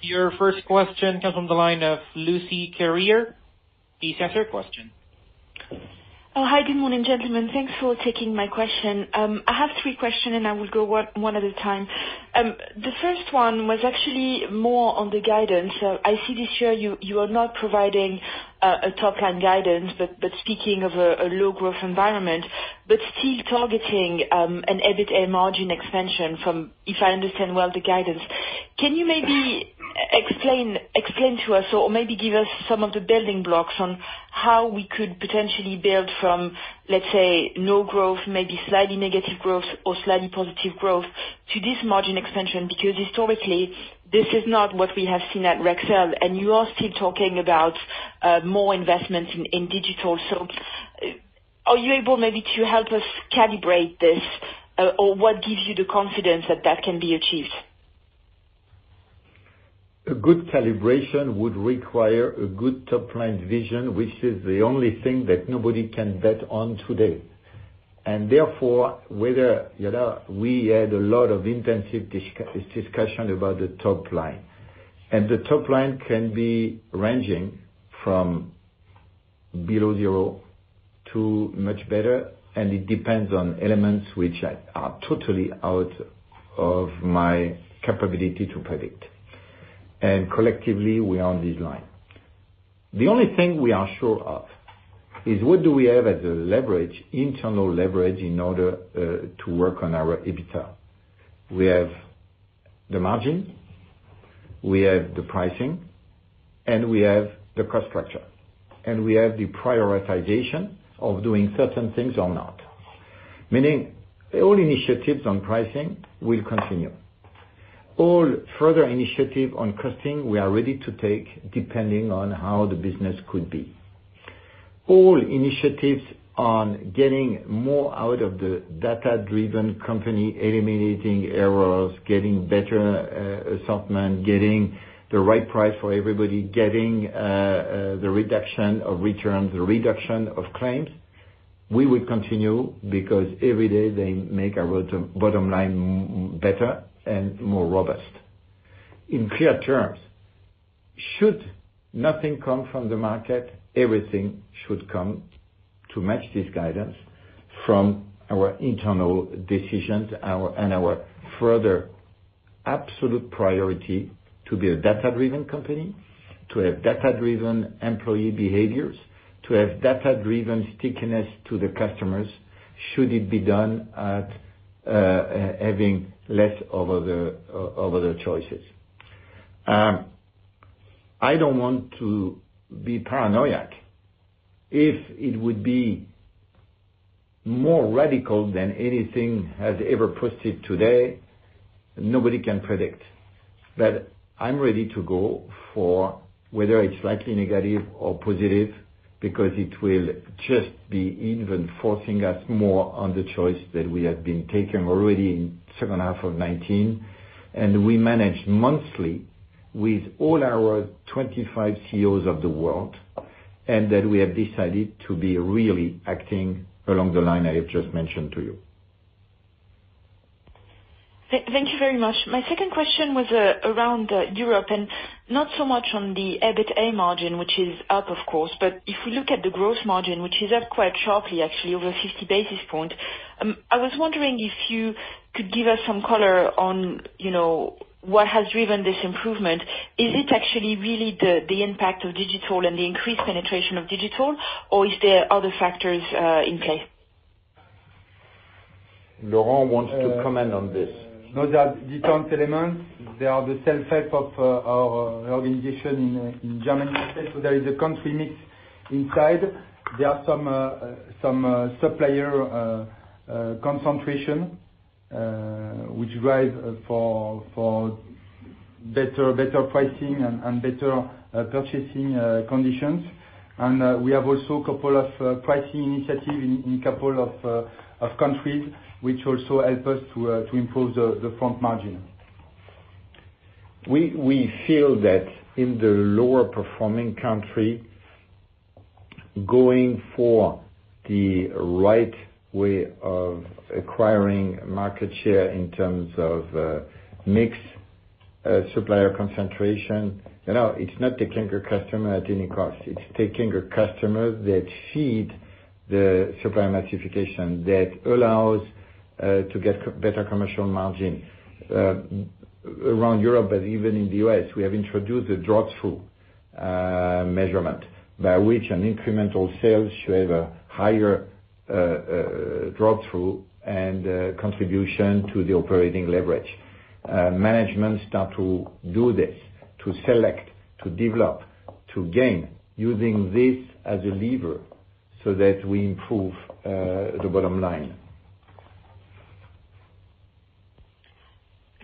Your first question comes from the line of Lucie Carrier. Please ask your question. Hi, good morning, gentlemen. Thanks for taking my question. I have three questions, and I will go one at a time. The first one was actually more on the guidance. I see this year you are not providing a top-line guidance, but speaking of a low-growth environment, but still targeting an EBITA margin expansion from, if I understand well, the guidance. Can you maybe explain to us or maybe give us some of the building blocks on how we could potentially build from, let's say, no growth, maybe slightly negative growth or slightly positive growth to this margin expansion? Historically, this is not what we have seen at Rexel, and you are still talking about more investments in digital. Are you able maybe to help us calibrate this, or what gives you the confidence that that can be achieved? A good calibration would require a good top-line vision, which is the only thing that nobody can bet on today. Therefore, we had a lot of intensive discussion about the top line. The top line can be ranging from below zero to much better, and it depends on elements which are totally out of my capability to predict. Collectively, we are on this line. The only thing we are sure of is what do we have as internal leverage in order to work on our EBITA. We have the margin, we have the pricing, and we have the cost structure. We have the prioritization of doing certain things or not. Meaning all initiatives on pricing will continue. All further initiative on costing, we are ready to take depending on how the business could be. All initiatives on getting more out of the data-driven company, eliminating errors, getting better assortment, getting the right price for everybody, getting the reduction of returns, the reduction of claims, we will continue because every day they make our bottom line better and more robust. In clear terms, should nothing come from the market, everything should come to match this guidance from our internal decisions and our further absolute priority to be a data-driven company, to have data-driven employee behaviors, to have data-driven stickiness to the customers, should it be done at having less of other choices. I don't want to be paranoiac. If it would be more radical than anything has ever pushed it today, nobody can predict. I'm ready to go for whether it's slightly negative or positive, because it will just be even forcing us more on the choice that we have been taking already in second half of 2019, and we manage monthly with all our 25 CEOs of the world, and that we have decided to be really acting along the line I have just mentioned to you. Thank you very much. My second question was around Europe, not so much on the EBITA margin, which is up, of course, but if we look at the gross margin, which is up quite sharply, actually, over 50 basis points, I was wondering if you could give us some color on what has driven this improvement. Is it actually really the impact of digital and the increased penetration of digital, or is there other factors in play? Laurent wants to comment on this. Those are different elements. They are the self-help of our organization in Germany. There is a country mix inside. There are some supplier concentration, which drive for better pricing and better purchasing conditions. We have also a couple of pricing initiatives in a couple of countries, which also help us to improve the front margin. We feel that in the lower performing country, going for the right way of acquiring market share in terms of mix, supplier concentration. It's not taking a customer at any cost. It's taking a customer that feeds the supplier massification that allows to get better commercial margin. Around Europe and even in the U.S., we have introduced a drop-through measurement, by which an incremental sales should have a higher drop-through and contribution to the operating leverage. Management starts to do this, to select, to develop, to gain, using this as a lever so that we improve the bottom line.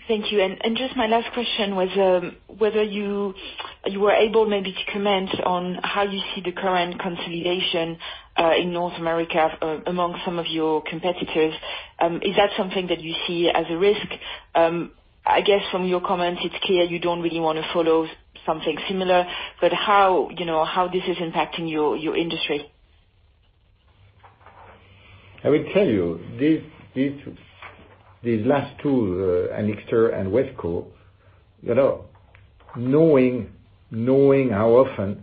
Thank you. Just my last question was whether you were able maybe to comment on how you see the current consolidation in North America among some of your competitors. Is that something that you see as a risk? I guess from your comments, it's clear you don't really want to follow something similar, but how this is impacting your industry? I will tell you, these last two, Anixter and Wesco, knowing how often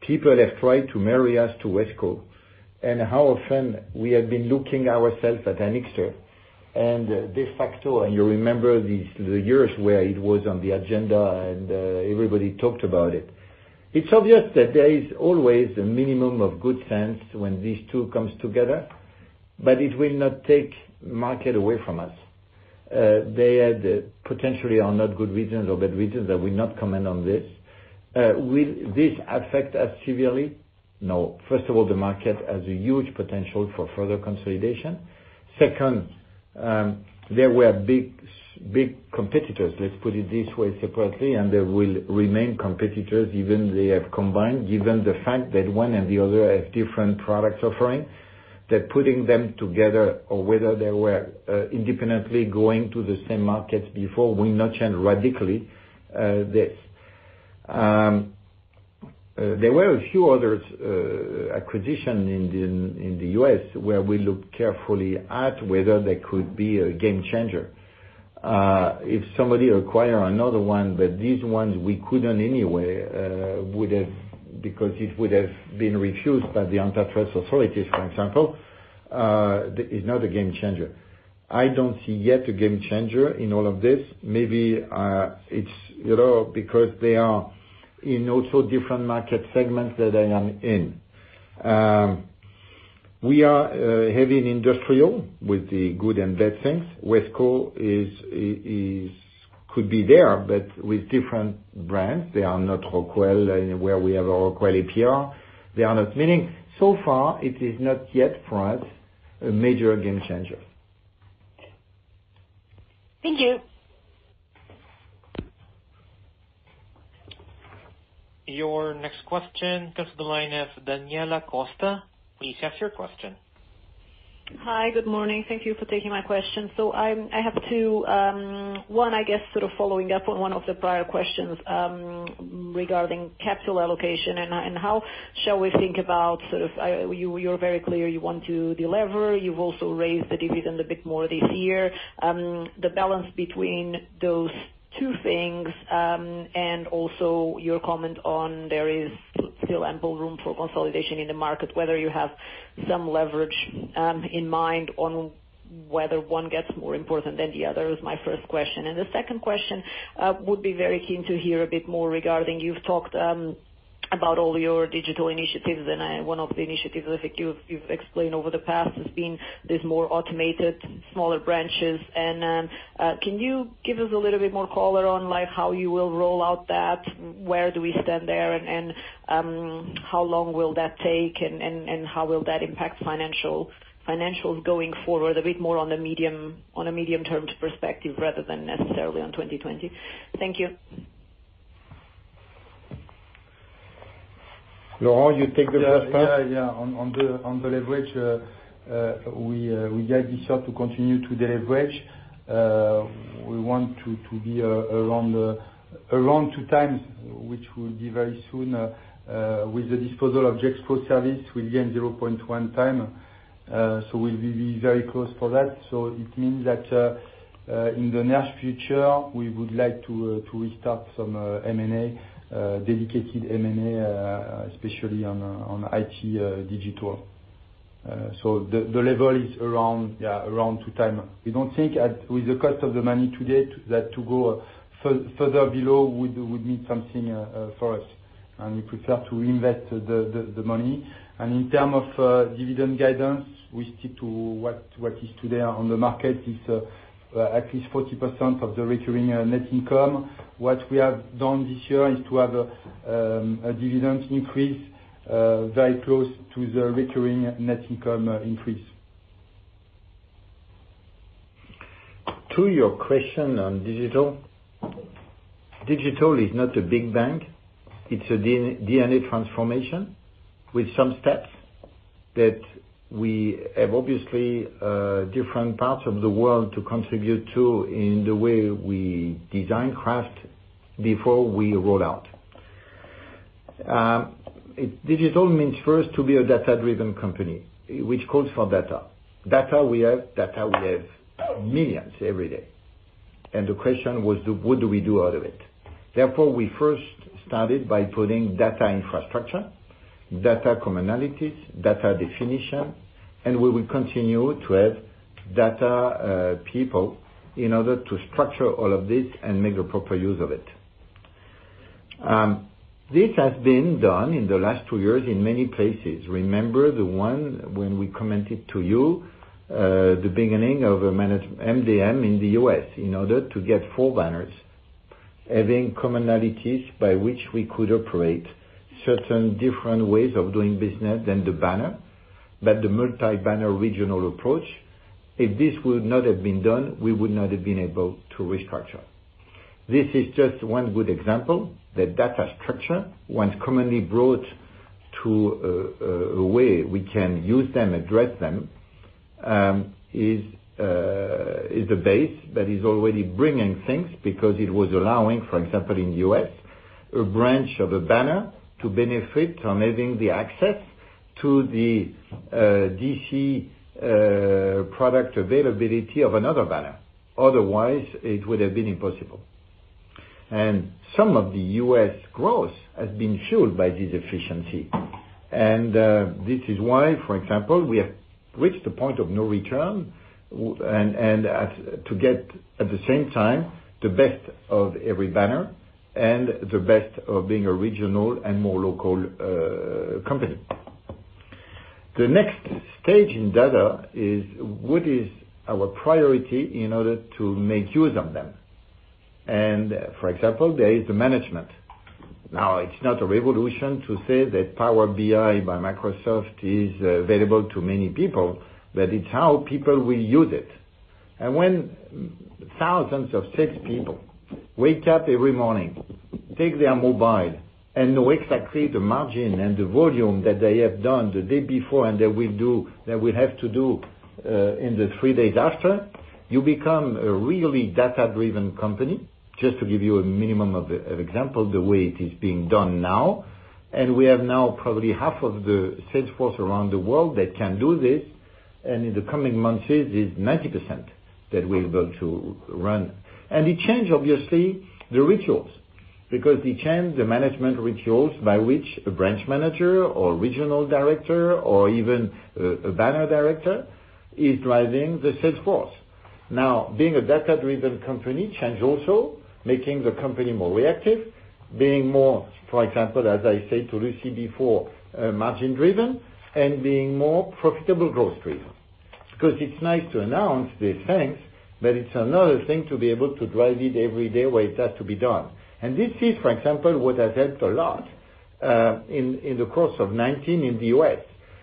people have tried to marry us to Wesco and how often we have been looking ourselves at Anixter and de facto, and you remember the years where it was on the agenda, and everybody talked about it. It's obvious that there is always a minimum of good sense when these two come together. It will not take market away from us. They had potentially are not good reasons or bad reasons. I will not comment on this. Will this affect us severely? No. First of all, the market has a huge potential for further consolidation. Second, there were big competitors, let's put it this way separately, and they will remain competitors even if they have combined, given the fact that one and the other have different products offering, that putting them together or whether they were independently going to the same markets before will not change radically this. There were a few other acquisitions in the U.S. where we looked carefully at whether there could be a game changer. If somebody acquires another one, but these ones we couldn't anyway, because it would have been refused by the antitrust authorities, for example, it's not a game changer. I don't see yet a game changer in all of this. Maybe it's because they are in also different market segments that I am in. We are heavy in industrial with the good and bad things. Wesco could be there, but with different brands. They are not Rockwell, where we have our Rockwell APR. So far, it is not yet for us a major game changer. Thank you. Your next question comes to the line of Daniela Costa. Please ask your question. Hi. Good morning. Thank you for taking my question. I have two. One, I guess sort of following up on one of the prior questions, regarding capital allocation and how shall we think about sort of, you're very clear you want to delever. You've also raised the dividend a bit more this year. The balance between those two things, and also your comment on there is still ample room for consolidation in the market, whether you have some leverage in mind on whether one gets more important than the other? That's my first question. The second question, would be very keen to hear a bit more regarding, you've talked about all your digital initiatives, and one of the initiatives I think you've explained over the past has been this more automated, smaller branches. Can you give us a little bit more color on how you will roll out that? Where do we stand there, and how long will that take, and how will that impact financials going forward? A bit more on a medium-term perspective rather than necessarily on 2020. Thank you. Laurent, you take the first part? Yeah. On the leverage, we guide this year to continue to deleverage. We want to be around 2x, which will be very soon, with the disposal of Gexpro Services, we gain 0.1x. We'll be very close for that. It means that, in the near future, we would like to restart some M&A, dedicated M&A, especially on IT digital. The level is around 2x. We don't think with the cost of the money today, that to go further below would mean something for us. We prefer to invest the money. In terms of dividend guidance, we stick to what is today on the market is at least 40% of the recurring net income. What we have done this year is to have a dividend increase, very close to the recurring net income increase. To your question on digital. Digital is not a big bank. It's a DNA transformation with some steps that we have obviously, different parts of the world to contribute to in the way we design craft before we roll out. Digital means first to be a data-driven company, which calls for data. Data we have millions every day. The question was, what do we do out of it? Therefore, we first started by putting data infrastructure, data commonalities, data definition, and we will continue to have data people in order to structure all of this and make a proper use of it. This has been done in the last two years in many places. Remember the one when we commented to you, the beginning of MDM in the U.S. in order to get four banners having commonalities by which we could operate certain different ways of doing business than the banner, but the multi-banner regional approach. If this would not have been done, we would not have been able to restructure. This is just one good example that data structure, once commonly brought to a way we can use them, address them, is the base that is already bringing things because it was allowing, for example, in the U.S., a branch of a banner to benefit from having the access to the DC product availability of another banner. Otherwise, it would have been impossible. Some of the U.S. growth has been fueled by this efficiency. This is why, for example, we have reached a point of no return, and to get at the same time the best of every banner and the best of being a regional and more local company. The next stage in data is what is our priority in order to make use of them. For example, there is the management. Now, it's not a revolution to say that Power BI by Microsoft is available to many people, but it's how people will use it. When thousands of such people wake up every morning, take their mobile and know exactly the margin and the volume that they have done the day before, and they will have to do in the three days after, you become a really data-driven company. Just to give you a minimum of example, the way it is being done now, we have now probably half of the sales force around the world that can do this, and in the coming months, it is 90% that we're going to run. It change, obviously, the rituals, because it change the management rituals by which a branch manager or regional director or even a banner director is driving the sales force. Now, being a data-driven company change also, making the company more reactive, being more, for example, as I said to Lucie before, margin-driven and being more profitable growth-driven. Because it's nice to announce these things, but it's another thing to be able to drive it every day where it has to be done. This is, for example, what has helped a lot in the course of 2019 in the U.S.,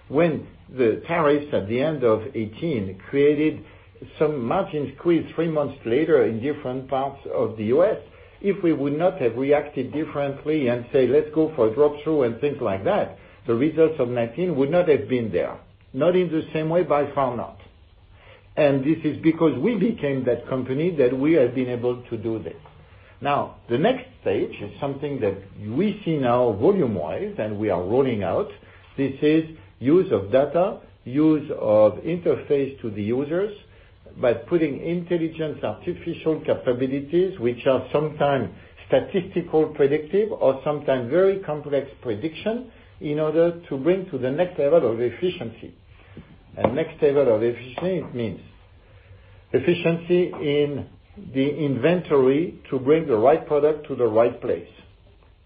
when the tariffs at the end of 2018 created some margin squeeze three months later in different parts of the U.S.. If we would not have reacted differently and say, "Let's go for drop-through," and things like that, the results of 2019 would not have been there. Not in the same way, by far not. This is because we became that company that we have been able to do this. The next stage is something that we see now volume-wise, and we are rolling out. This is use of data, use of interface to the users by putting intelligent artificial capabilities, which are sometimes statistical predictive or sometimes very complex prediction in order to bring to the next level of efficiency. Next level of efficiency means efficiency in the inventory to bring the right product to the right place.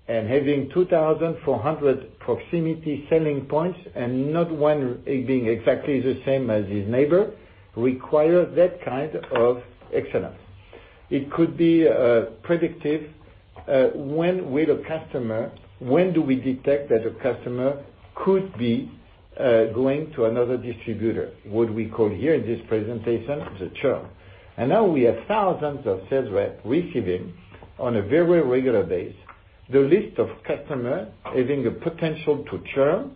Having 2,400 proximity selling points and not one being exactly the same as his neighbor require that kind of excellence. It could be predictive when do we detect that a customer could be going to another distributor, what we call here in this presentation the churn. Now we have thousands of sales rep receiving on a very regular basis, the list of customer having a potential to churn,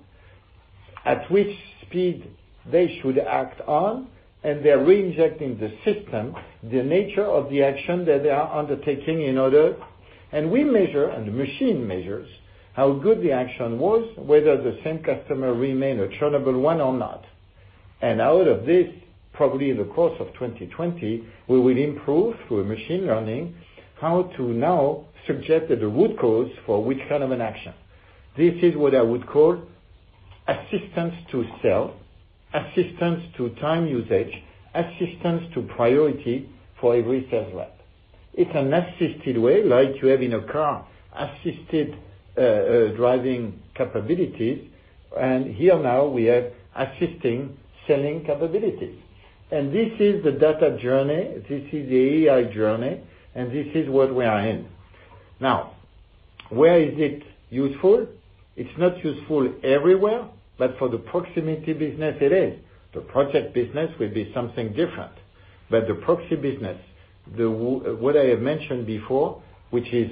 at which speed they should act on, and they're re-injecting the system, the nature of the action that they are undertaking in order. We measure, and the machine measures how good the action was, whether the same customer remain a churnable one or not. Out of this, probably in the course of 2020, we will improve through machine learning how to now suggest that the root cause for which kind of an action. This is what I would call assistance to sell, assistance to time usage, assistance to priority for every sales rep. It's an assisted way, like you have in a car, assisted driving capabilities. Here now we have assisting selling capability. This is the data journey, this is the AI journey, and this is what we are in. Now, where is it useful? It's not useful everywhere, but for the proximity business, it is. The project business will be something different. The proxy business, what I have mentioned before, which is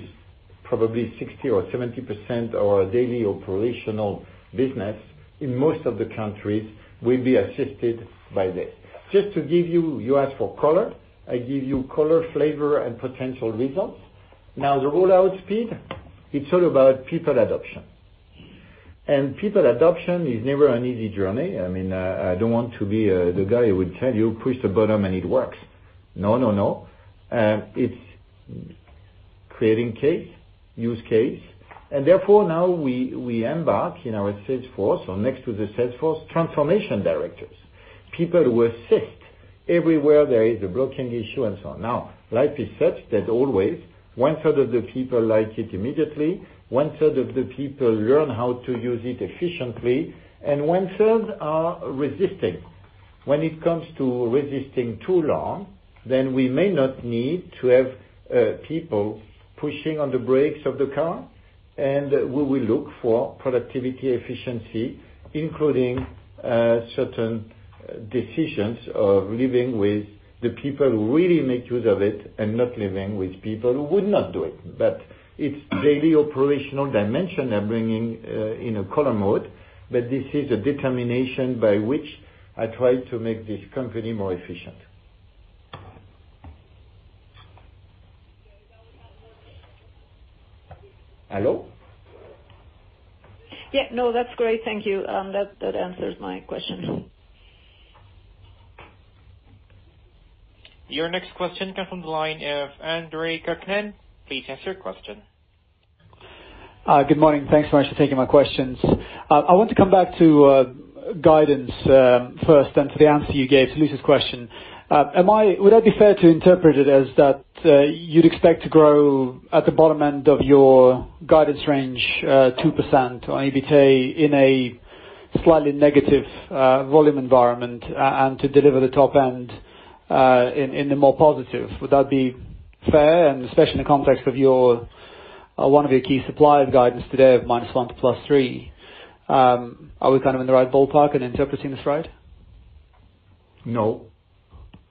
probably 60% or 70% our daily operational business in most of the countries will be assisted by that. Just to give you ask for color, I give you color, flavor, and potential results. Now, the rollout speed, it's all about people adoption. People adoption is never an easy journey. I don't want to be the guy who would tell you, push the button and it works. No. It's creating case, use case. Therefore, now we embark in our Salesforce or next to the Salesforce, transformation directors. People who assist everywhere there is a blocking issue and so on. Now, life is such that always one-third of the people like it immediately, one-third of the people learn how to use it efficiently, and one-third are resisting. When it comes to resisting too long, then we may not need to have people pushing on the brakes of the car. We will look for productivity efficiency, including certain decisions of living with the people who really make use of it and not living with people who would not do it. It's daily operational dimension I'm bringing in a color mode. This is a determination by which I try to make this company more efficient. Hello? Yeah, no, that's great. Thank you. That answers my question. Your next question comes from the line of Andre Kukhnin. Please ask your question. Good morning. Thanks so much for taking my questions. I want to come back to guidance, first, and to the answer you gave to Lucie's question. Would I be fair to interpret it as that you'd expect to grow at the bottom end of your guidance range, 2% or EBITA in a slightly negative volume environment, and to deliver the top end in the more positive? Would that be fair? Especially in the context of one of your key supplier guidance today of -1% to +3%. Are we in the right ballpark in interpreting this right? No. Okay.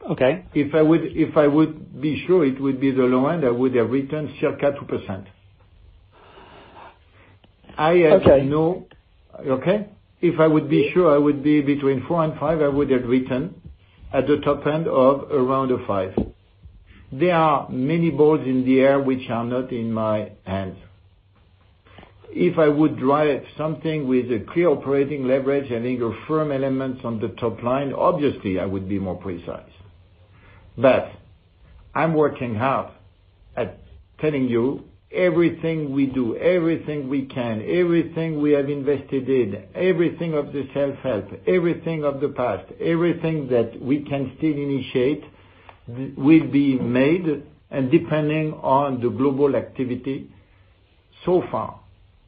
If I would be sure it would be the low end, I would have written circa 2%. Okay. Okay? If I would be sure I would be between 4% and 5%, I would have written at the top end of around a 5%. There are many balls in the air which are not in my hands. If I would write something with a clear operating leverage and firm elements on the top line, obviously I would be more precise. I'm working hard at telling you everything we do, everything we can, everything we have invested in, everything of the self-help, everything of the past, everything that we can still initiate will be made and depending on the global activity so far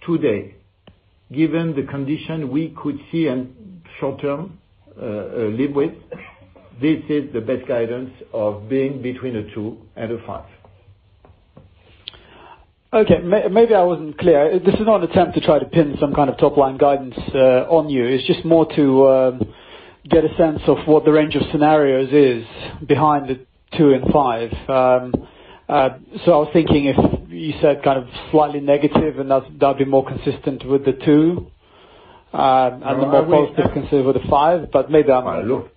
today, given the condition we could see in short term, live with, this is the best guidance of being between a 2% and a 5%. Okay. Maybe I wasn't clear. This is not an attempt to try to pin some kind of top-line guidance on you. It's just more to get a sense of what the range of scenarios is behind the 2% and 5%. I was thinking if you said slightly negative and that'd be more consistent with the 2%, and the more positive consider the 5%. Maybe I'm. Look.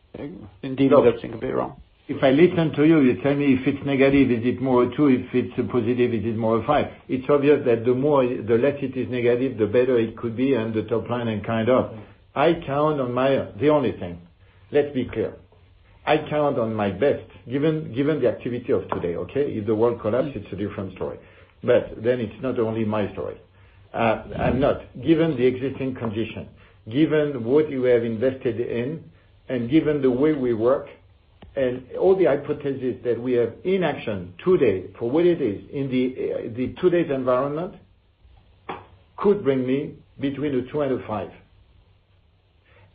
Indeed everything could be wrong. If I listen to you tell me if it's negative, is it more a 2%? If it's a positive, is it more a 5%? It's obvious that the less it is negative, the better it could be on the top line and kind of. The only thing, let's be clear. I count on my best given, the activity of today, okay? If the world collapse, it's a different story. It's not only my story. Given the existing condition, given what you have invested in and given the way we work and all the hypothesis that we have in action today for what it is in the today's environment, could bring me between a 2%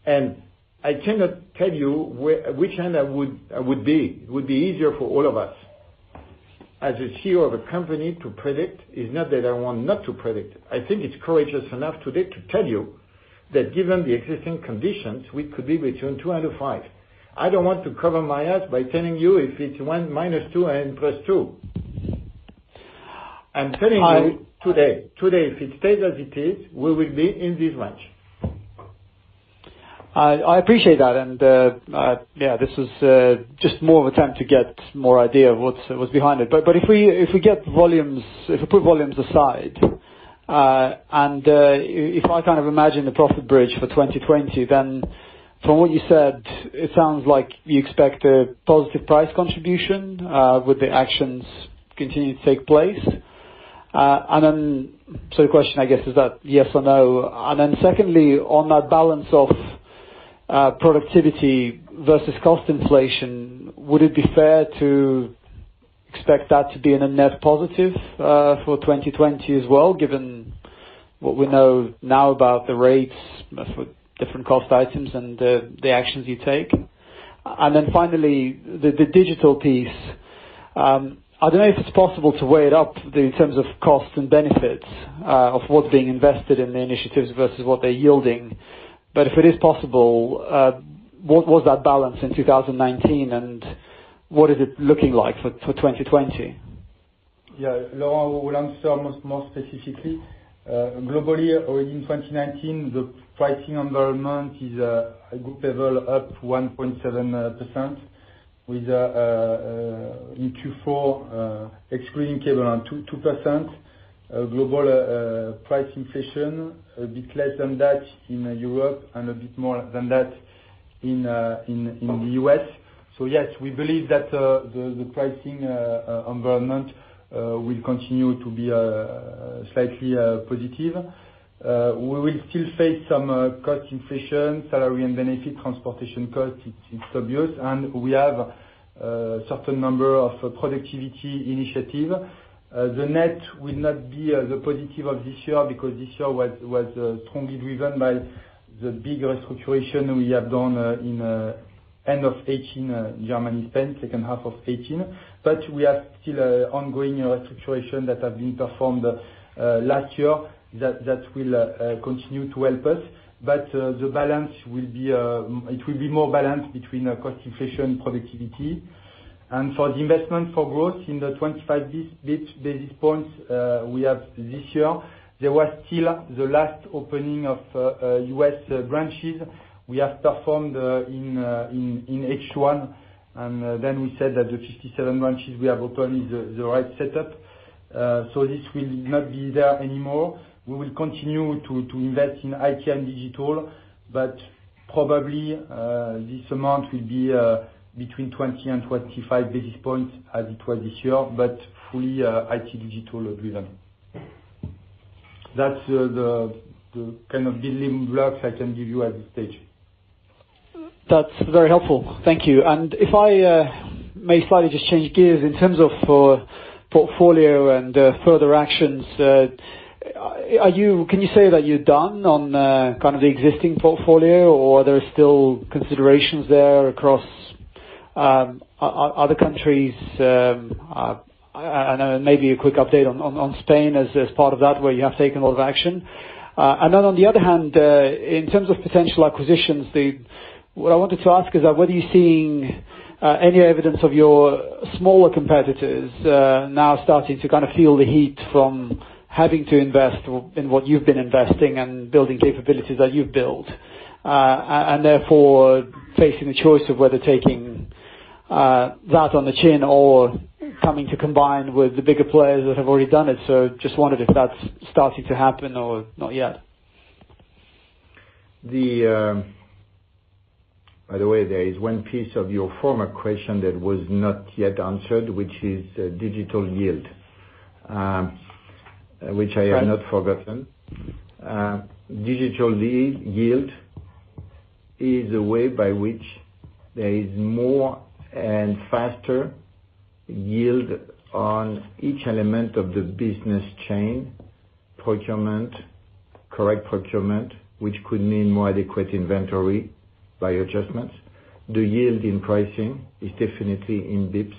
and a 5%. I cannot tell you which end I would be. It would be easier for all of us as a CEO of a company to predict, is not that I want not to predict. I think it's courageous enough today to tell you that given the existing conditions, we could be between two and a five. I don't want to cover my ass by telling you if it's -2% and +2%. I'm telling you today, if it stays as it is, we will be in this range. I appreciate that. This was just more of an attempt to get more idea of what's behind it. If we put volumes aside, and if I imagine the profit bridge for 2020, then from what you said, it sounds like you expect a positive price contribution, would the actions continue to take place? The question, I guess, is that yes or no? Secondly, on that balance of productivity versus cost inflation, would it be fair to expect that to be in a net positive for 2020 as well, given what we know now about the rates for different cost items and the actions you take? Finally, the digital piece. I don't know if it's possible to weigh it up in terms of costs and benefits, of what's being invested in the initiatives versus what they're yielding. If it is possible, what was that balance in 2019 and what is it looking like for 2020? Yeah. Laurent will answer more specifically. Globally, in 2019, the pricing environment is a group level up 1.7% with, in Q4, excluding cable, around 2% global price inflation, a bit less than that in Europe and a bit more than that in the U.S.. Yes, we believe that the pricing environment will continue to be slightly positive. We will still face some cost inflation, salary and benefit, transportation cost, it's obvious, and we have a certain number of productivity initiative. The net will not be the positive of this year because this year was strongly driven by the big restructure we have done in end of 2018, Germany, Spain, second half of 2018. We are still ongoing restructure that have been performed last year that will continue to help us. It will be more balanced between cost inflation, productivity. For the investment for growth in the 25 basis points we have this year, there was still the last opening of U.S. branches we have performed in H1. Then we said that the 57 branches we have opened is the right setup. This will not be there anymore. We will continue to invest in IT and digital, but probably, this amount will be between 20 and 25 basis points as it was this year, but fully IT digital driven. That's the kind of building blocks I can give you at this stage. That's very helpful. Thank you. If I may slightly just change gears in terms of portfolio and further actions. Can you say that you're done on kind of the existing portfolio, or are there still considerations there across other countries? Maybe a quick update on Spain as part of that, where you have taken a lot of action. On the other hand, in terms of potential acquisitions, what I wanted to ask is, are whether you seeing any evidence of your smaller competitors now starting to kind of feel the heat from having to invest in what you've been investing and building capabilities that you've built. Therefore, facing the choice of whether taking that on the chin or coming to combine with the bigger players that have already done it. Just wondered if that's starting to happen or not yet. By the way, there is one piece of your former question that was not yet answered, which is digital yield, which I have not forgotten. Digital yield is a way by which there is more and faster yield on each element of the business chain, correct procurement, which could mean more adequate inventory by adjustments. The yield in pricing is definitely in bips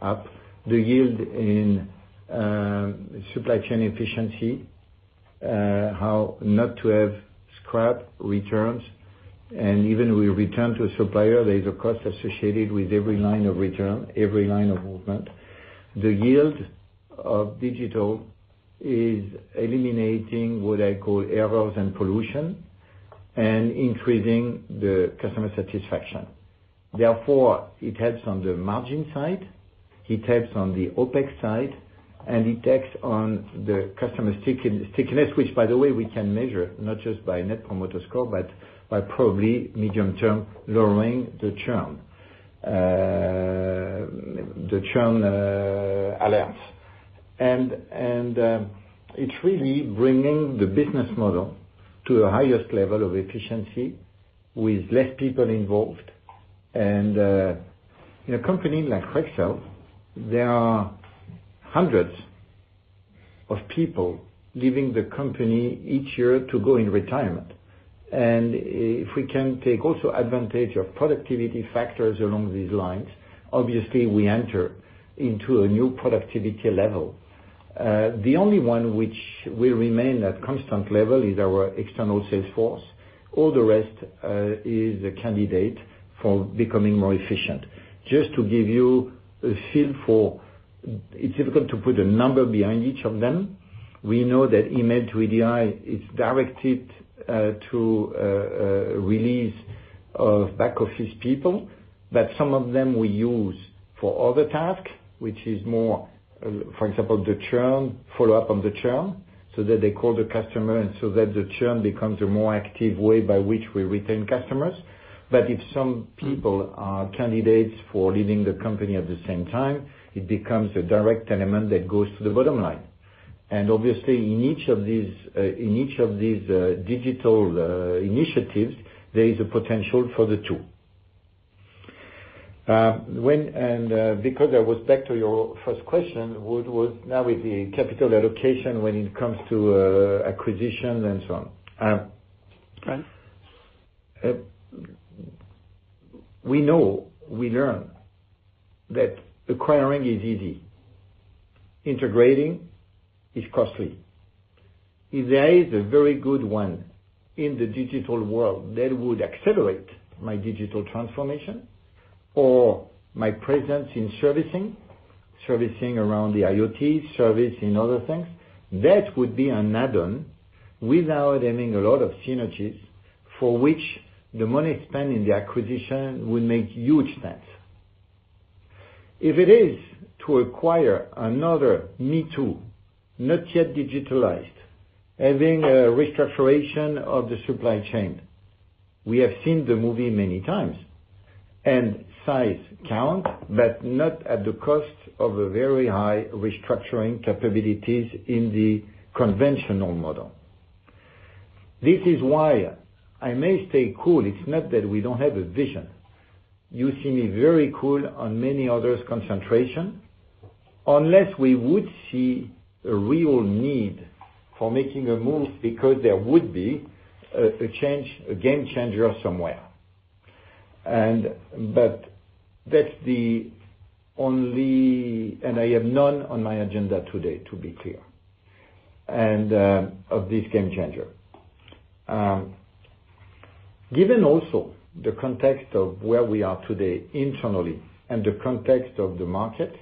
up. The yield in supply chain efficiency, how not to have scrap returns and even with return to a supplier, there's a cost associated with every line of return, every line of movement. The yield of digital is eliminating what I call errors and pollution and increasing the customer satisfaction. Therefore, it helps on the margin side, it helps on the OpEx side, and it takes on the customer stickiness, which by the way, we can measure not just by Net Promoter Score, but by probably medium-term lowering the churn alerts. It's really bringing the business model to the highest level of efficiency with less people involved. In a company like Rexel, there are hundreds of people leaving the company each year to go into retirement. If we can take also advantage of productivity factors along these lines, obviously we enter into a new productivity level. The only one which will remain at constant level is our external sales force. All the rest is a candidate for becoming more efficient. Just to give you a feel for, it's difficult to put a number behind each of them. We know that Image VDI is directed to release of back office people, but some of them we use for other tasks, which is more, for example, the churn, follow up on the churn so that they call the customer and so that the churn becomes a more active way by which we retain customers. If some people are candidates for leaving the company at the same time, it becomes a direct element that goes to the bottom line. Obviously in each of these digital initiatives, there is a potential for the two. I was back to your first question, was now with the capital allocation when it comes to acquisitions and so on. Right. We know, we learn that acquiring is easy, integrating is costly. If there is a very good one in the digital world that would accelerate my digital transformation or my presence in servicing around the IoT, service in other things, that would be an add-on without having a lot of synergies for which the money spent in the acquisition would make huge sense. If it is to acquire another me too, not yet digitalized, having a restructure of the supply chain. We have seen the movie many times and size count, but not at the cost of a very high restructuring capabilities in the conventional model. This is why I may stay cool. It's not that we don't have a vision. You see me very cool on many others concentration. Unless we would see a real need for making a move because there would be a game changer somewhere. I have none on my agenda today to be clear, of this game changer. Given also the context of where we are today internally and the context of the market,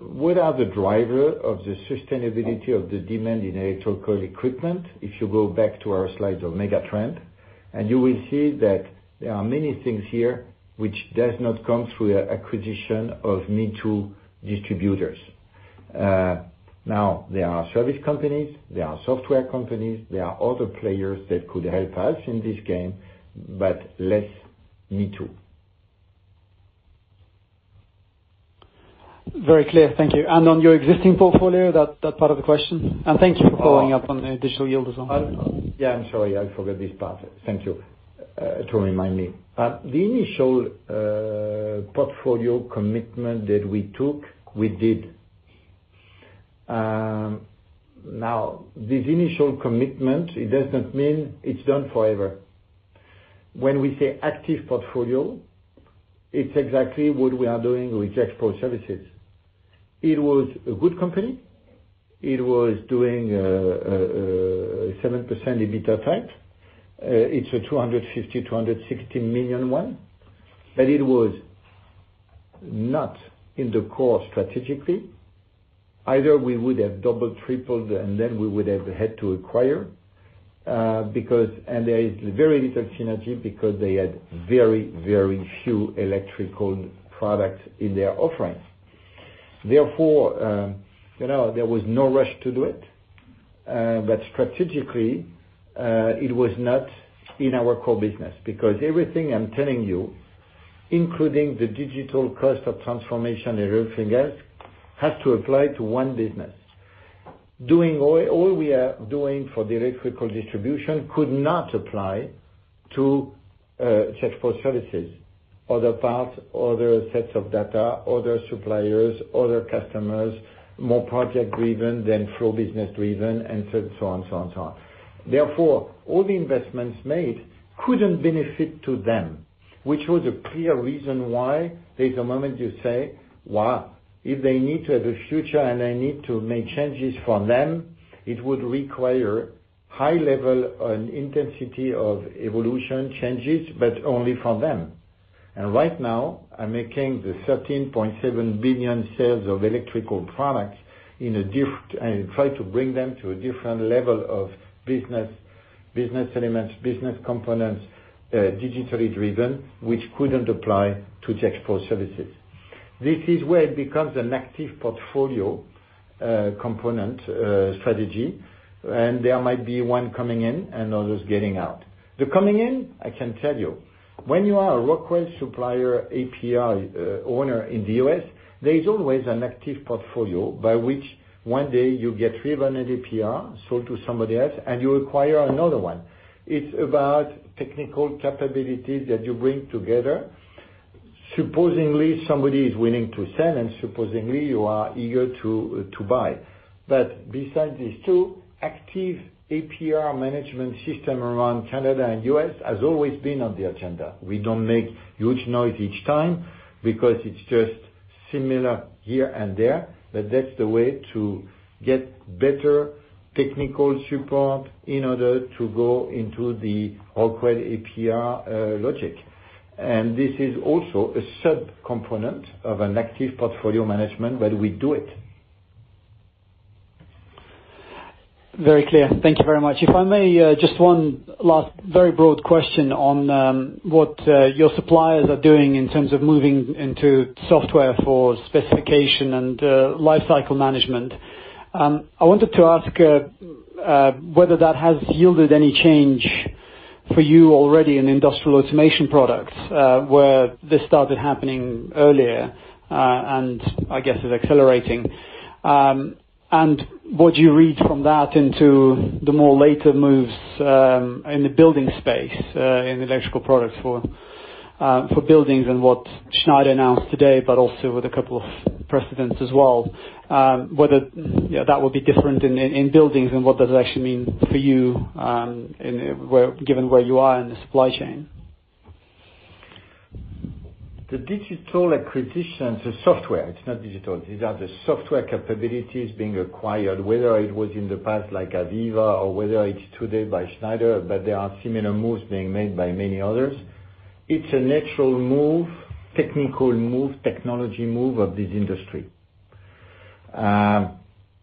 without the driver of the sustainability of the demand in electrical equipment, if you go back to our slide of mega trend, and you will see that there are many things here which does not come through acquisition of me too distributors. There are service companies, there are software companies, there are other players that could help us in this game, but less me too. Very clear. Thank you. On your existing portfolio, that part of the question? Thank you for following up on digital yield as well. Yeah, I'm sorry, I forgot this part. Thank you to remind me. The initial portfolio commitment that we took, we did. This initial commitment, it does not mean it's done forever. When we say active portfolio, it's exactly what we are doing with Gexpro Services. It was a good company. It was doing 7% EBITDA FAI. It's a $250 million, $260 million one. It was not in the core strategically. Either we would have doubled, tripled, we would have had to acquire, there is very little synergy because they had very few electrical products in their offerings. There was no rush to do it. Strategically, it was not in our core business because everything I'm telling you, including the digital cost of transformation and everything else, has to apply to one business. All we are doing for the electrical distribution could not apply to Gexpro Services. Other parts, other sets of data, other suppliers, other customers, more project-driven than flow business-driven, and so on. All the investments made couldn't benefit to them, which was a clear reason why there's a moment you say, "Wow, if they need to have a future and they need to make changes for them, it would require high-level and intensity of evolution changes, but only for them." Right now, I'm making the 13.7 billion sales of electrical products and try to bring them to a different level of business elements, business components, digitally driven, which couldn't apply to the Gexpro Services. This is where it becomes an active portfolio component strategy, and there might be one coming in and others getting out. The coming in, I can tell you. When you are a Rockwell Automation supplier APR owner in the U.S., there is always an active portfolio by which one day you get 300 APR sold to somebody else, and you acquire another one. It's about technical capabilities that you bring together. Supposingly, somebody is willing to sell, and supposedly you are eager to buy. Besides these two, active APR management system around Canada and U.S. has always been on the agenda. We don't make huge noise each time because it's just similar here and there, but that's the way to get better technical support in order to go into the Rockwell Automation APR logic. This is also a sub-component of an active portfolio management where we do it. Very clear. Thank you very much. If I may, just one last very broad question on what your suppliers are doing in terms of moving into software for specification and lifecycle management. I wanted to ask whether that has yielded any change for you already in industrial automation products, where this started happening earlier, and I guess is accelerating. What you read from that into the more later moves, in the building space, in electrical products for buildings and what Schneider announced today, but also with a couple of precedents as well. Whether that would be different in buildings and what does it actually mean for you given where you are in the supply chain? The digital acquisition to software, it's not digital. These are the software capabilities being acquired, whether it was in the past like AVEVA or whether it's today by Schneider, there are similar moves being made by many others. It's a natural move, technical move, technology move of this industry.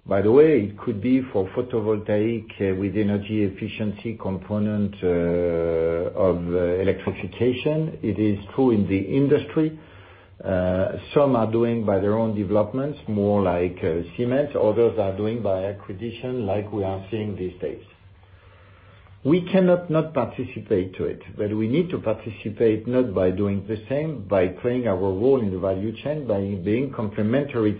By the way, it could be for photovoltaic with energy efficiency component of electrification. It is true in the industry. Some are doing by their own developments, more like cement. Others are doing by acquisition like we are seeing these days. We cannot not participate to it, we need to participate not by doing the same, by playing our role in the value chain, by being complementary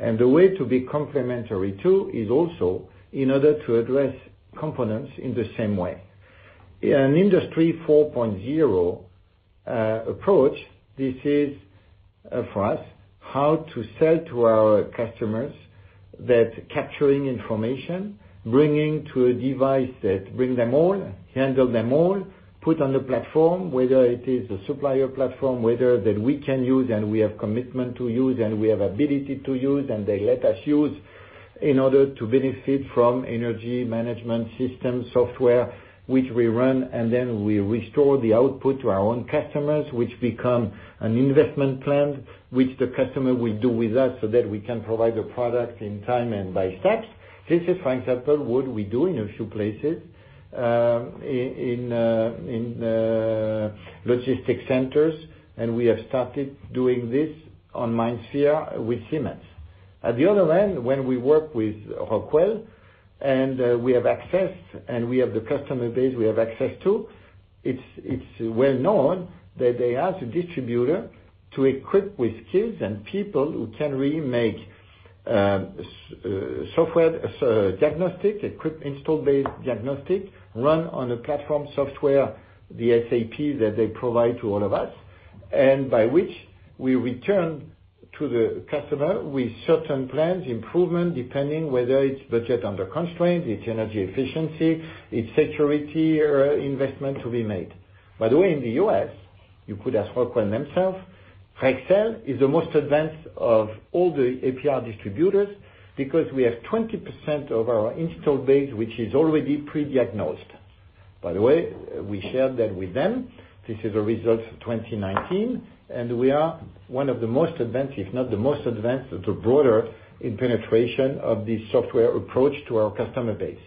too. The way to be complementary too is also in order to address components in the same way. In Industry 4.0 approach, this is, for us, how to sell to our customers that capturing information, bringing to a device that bring them all, handle them all, put on the platform, whether it is a supplier platform, whether that we can use, and we have commitment to use, and we have ability to use, and they let us use in order to benefit from energy management system software, which we run, and then we restore the output to our own customers, which become an investment plan, which the customer will do with us so that we can provide the product in time and by stacks. This is, for example, what we do in a few places, in logistic centers, and we have started doing this on MindSphere with Siemens. At the other end, when we work with Rockwell, and we have access, and we have the customer base we have access to, it's well known that they ask the distributor to equip with skills and people who can really make software diagnostic, equip install base diagnostic, run on a platform software, the SAP that they provide to all of us. By which we return to the customer with certain plans, improvement, depending whether it's budget under constraint, it's energy efficiency, it's security or investment to be made. By the way, in the U.S., you could ask Rockwell themselves, Rexel is the most advanced of all the APR distributors because we have 20% of our install base which is already pre-diagnosed. By the way, we shared that with them. This is a result of 2019, and we are one of the most advanced, if not the most advanced, the broader in penetration of this software approach to our customer base.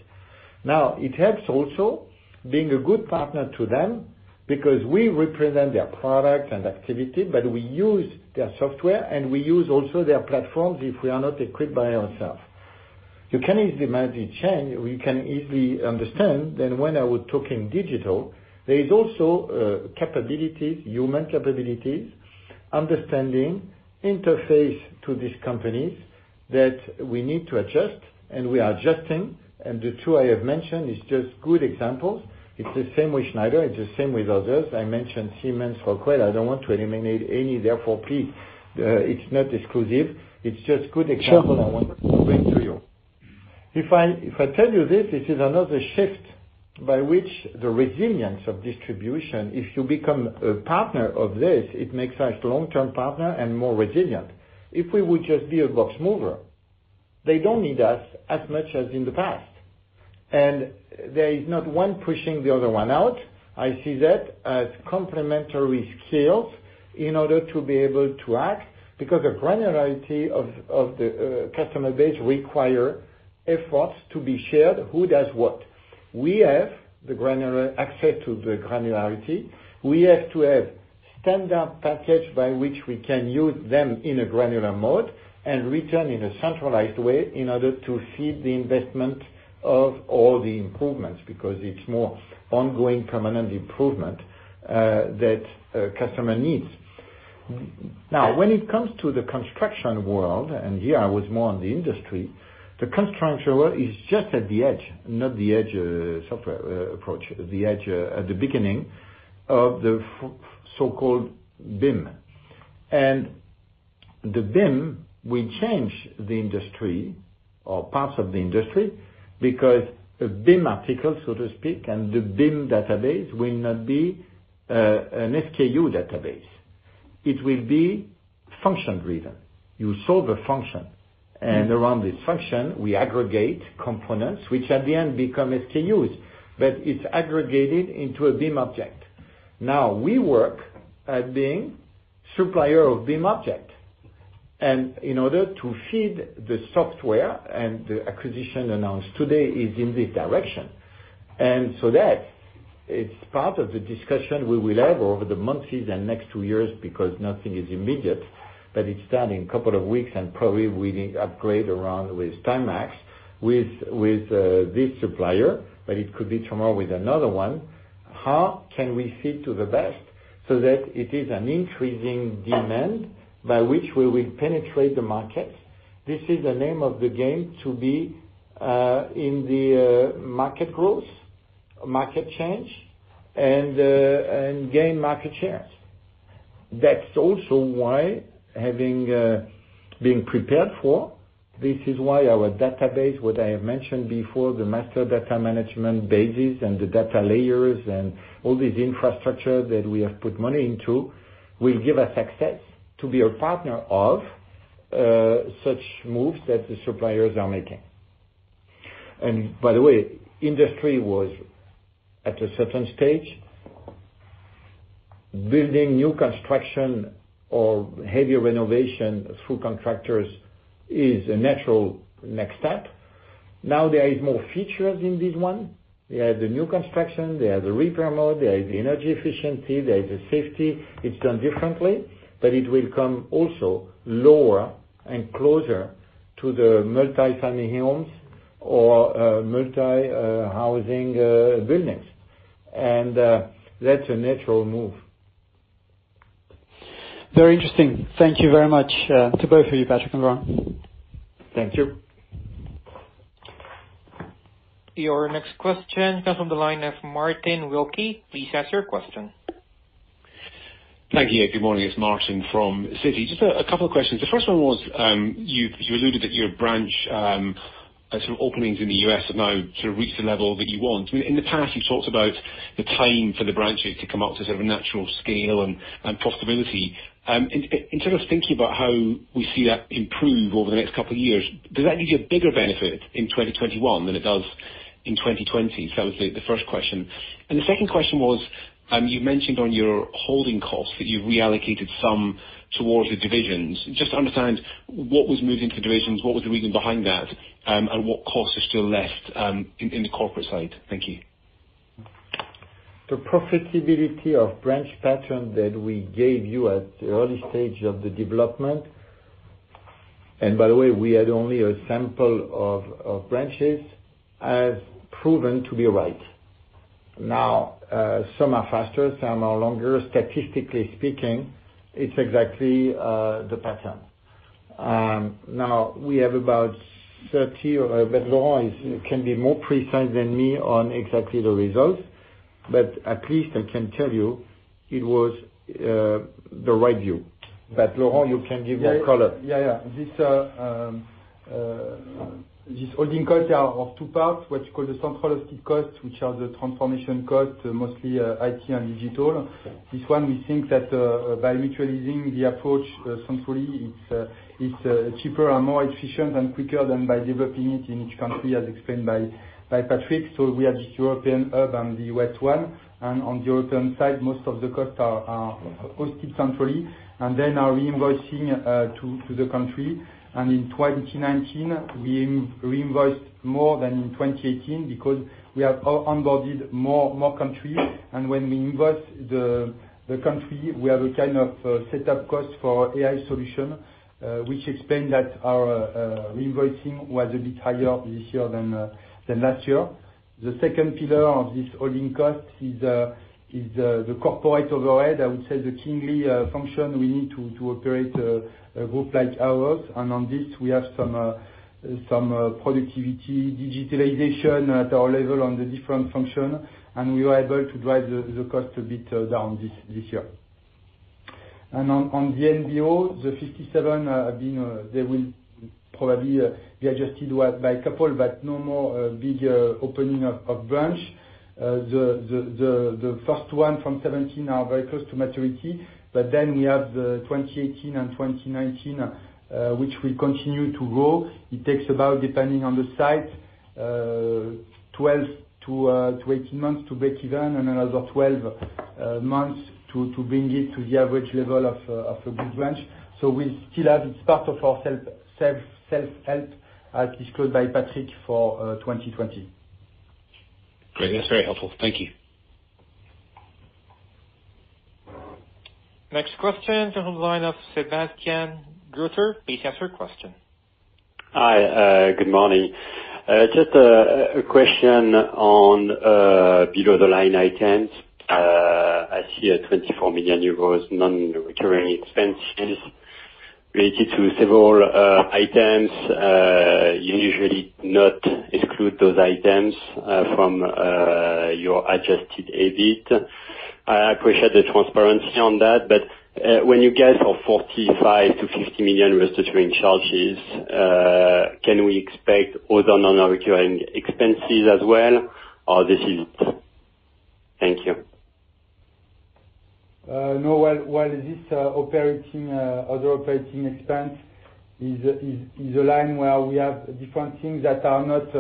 Now, it helps also being a good partner to them because we represent their product and activity, but we use their software, and we use also their platforms if we are not equipped by ourselves. You can easily imagine change. We can easily understand that when I was talking digital, there is also capabilities, human capabilities, understanding, interface to these companies that we need to adjust, and we are adjusting. The two I have mentioned is just good examples. It's the same with Schneider. It's the same with others. I mentioned Siemens, Rockwell. I don't want to eliminate any, therefore, please, it's not exclusive. It's just good example I wanted to bring to you. If I tell you this is another shift by which the resilience of distribution, if you become a partner of this, it makes us long-term partner and more resilient. If we would just be a box mover, they don't need us as much as in the past. There is not one pushing the other one out. I see that as complementary skills in order to be able to act, because the granularity of the customer base require efforts to be shared, who does what. We have the access to the granularity. We have to have standard package by which we can use them in a granular mode and return in a centralized way in order to feed the investment of all the improvements, because it's more ongoing permanent improvement that a customer needs. When it comes to the construction world, and here I was more on the industry, the construction world is just at the edge, not the edge software approach, the edge at the beginning of the so-called BIM. The BIM will change the industry or parts of the industry because a BIM article, so to speak, and the BIM database will not be an SKU database. It will be function driven. You solve a function, and around this function, we aggregate components which at the end become SKUs. It's aggregated into a BIM object. We work at being supplier of BIM object. In order to feed the software and the acquisition announced today is in this direction. That is part of the discussion we will have over the months, season, next two years, because nothing is immediate, but it's done in two weeks and probably we need upgrade around with Timax, with this supplier, but it could be tomorrow with another one. How can we fit to the best so that it is an increasing demand by which we will penetrate the market? This is the name of the game to be in the market growth, market change, and gain market shares. This is why our database, what I have mentioned before, the master data management bases and the data layers and all this infrastructure that we have put money into, will give us access to be a partner of such moves that the suppliers are making. By the way, industry was at a certain stage, building new construction or heavier renovation through contractors is a natural next step. There is more features in this one. They have the new construction, they have the repair mode, there is energy efficiency, there is safety. It's done differently, but it will come also lower and closer to the multi-family homes or multi-housing buildings. That's a natural move. Very interesting. Thank you very much to both of you, Patrick and Laurent. Thank you. Your next question comes from the line of Martin Wilkie. Please ask your question. Thank you. Good morning. It's Martin from Citi. Just a couple of questions. The first one was, you alluded that your branch openings in the U.S. have now reached the level that you want. In the past, you talked about the time for the branches to come up to sort of a natural scale and profitability. In terms of thinking about how we see that improve over the next couple of years, does that give you a bigger benefit in 2021 than it does in 2020? That was the first question. The second question was, you mentioned on your holding costs that you've reallocated some towards the divisions. Just to understand, what was moved into divisions, what was the reason behind that, and what costs are still left in the corporate side? Thank you. The profitability of branch pattern that we gave you at the early stage of the development, and by the way, we had only a sample of branches, has proven to be right. Some are faster, some are longer. Statistically speaking, it's exactly the pattern. We have about 30, Laurent can be more precise than me on exactly the results. At least I can tell you it was the right view. Laurent, you can give more color. Yeah. This holding costs are of two parts, what you call the central cost, which are the transformation cost, mostly IT and digital. This one, we think that by mutualizing the approach centrally, it's cheaper and more efficient and quicker than by developing it in each country, as explained by Patrick. We have the European hub and the U.S. one, and on the European side, most of the costs are hosted centrally and then are reinvoicing to the country. In 2019, we invoiced more than in 2018 because we have onboarded more countries. When we invoice the country, we have a kind of set up cost for AI solution, which explains that our reinvoicing was a bit higher this year than last year. The second pillar of this holding cost is the corporate overhead. I would say the key function we need to operate a group like ours. On this we have some productivity digitalization at our level on the different function, and we were able to drive the cost a bit down this year. On the NBO, the 57, they will probably be adjusted by a couple, but no more big opening of branch. The first one from 2017 are very close to maturity, but then we have the 2018 and 2019, which will continue to grow. It takes about, depending on the site, 12-18 months to break even and another 12 months to bring it to the average level of a good branch. We still have a start of our self-help, as described by Patrick, for 2020. Great. That's very helpful. Thank you. Next question from the line of Sebastian Gutter. Please ask your question. Hi, good morning. Just a question on below the line items. I see a 24 million euros non-recurring expenses related to several items. You usually not exclude those items from your adjusted EBIT. I appreciate the transparency on that. When you get for EUR 45 million-EUR 50 million restructuring charges, can we expect other non-recurring expenses as well, or this is it? Thank you. While this other operating expense is a line where we have different things that are not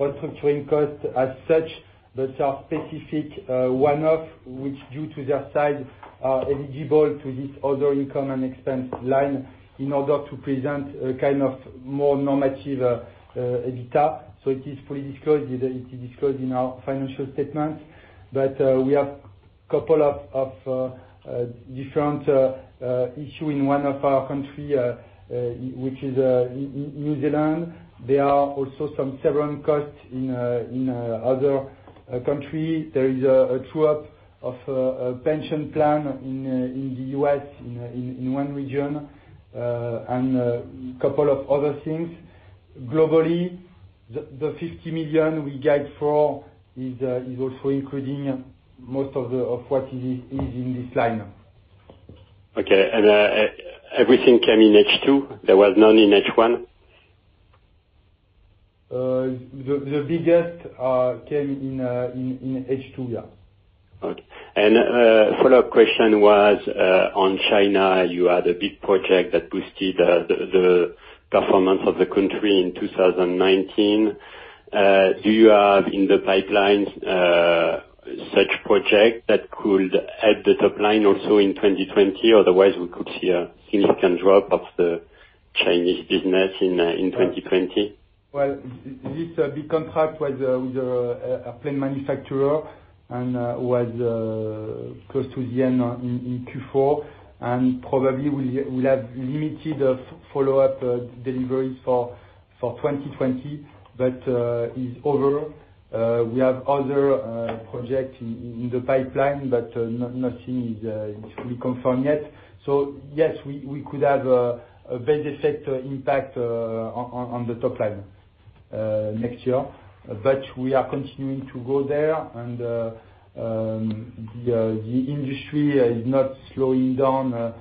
restructuring costs as such, but are specific one-off, which, due to their size, are eligible to this other income and expense line in order to present a kind of more normative EBITDA. It is fully disclosed. It is disclosed in our financial statement. We have couple of different issue in one of our country, which is New Zealand. There are also some severance costs in other country. There is a true up of a pension plan in the U.S. in one region. A couple of other things. Globally, the 50 million we guide for is also including most of what is in this line. Okay. Everything came in H2? There was none in H1? The biggest came in H2, yeah. Okay. Follow-up question was on China. You had a big project that boosted the performance of the country in 2019. Do you have, in the pipelines, such project that could help the top line also in 2020? Otherwise, we could see a significant drop of the Chinese business in 2020. Well, this big contract was with a plane manufacturer and was close to the end in Q4, and probably we have limited follow-up deliveries for 2020. It is over. We have other projects in the pipeline, but nothing is fully confirmed yet. Yes, we could have a very set impact on the top line. Next year. We are continuing to go there, the industry is not slowing down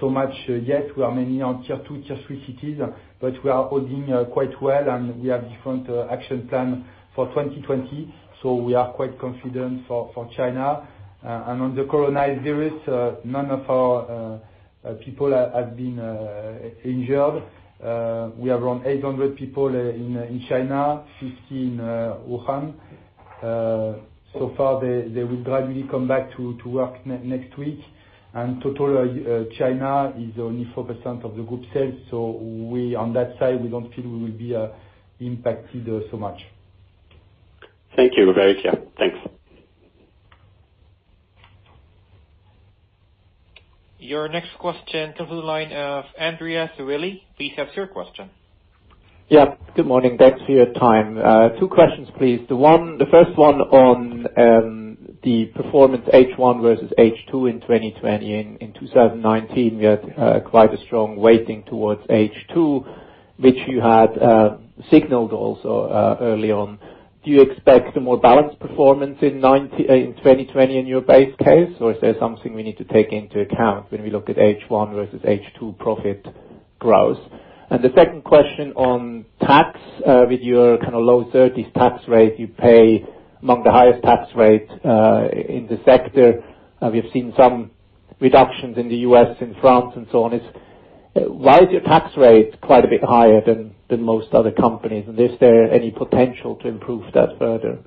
so much yet. We are mainly on tier 2, tier 3 cities, but we are holding quite well, and we have different action plan for 2020. We are quite confident for China. On the coronavirus, none of our people have been injured. We have around 800 people in China, 15 Wuhan. So far, they will gradually come back to work next week. Total China is only 4% of the group sales, so on that side, we don't feel we will be impacted so much. Thank you. Very clear. Thanks. Your next question comes to the line of Andreas Aureli. Please ask your question. Good morning. Back to your time. Two questions, please. The first one on the performance H1 versus H2 in 2020. In 2019, we had quite a strong weighting towards H2, which you had signaled also early on. Do you expect a more balanced performance in 2020 in your base case, or is there something we need to take into account when we look at H1 versus H2 profit growth? The second question on tax. With your kind of low 30%s tax rate, you pay among the highest tax rate in the sector. We have seen some reductions in the U.S. and France and so on. Why is your tax rate quite a bit higher than most other companies? Is there any potential to improve that further?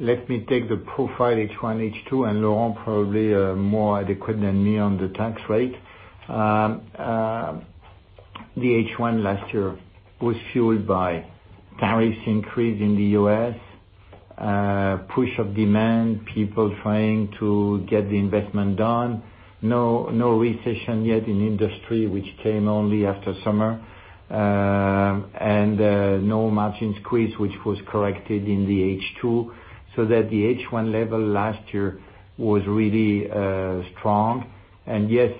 Let me take the profile H1/H2, and Laurent probably more adequate than me on the tax rate. The H1 last year was fueled by tariffs increase in the U.S., push of demand, people trying to get the investment done. No recession yet in industry, which came only after summer. No margin squeeze, which was corrected in the H2, so that the H1 level last year was really strong. Yes,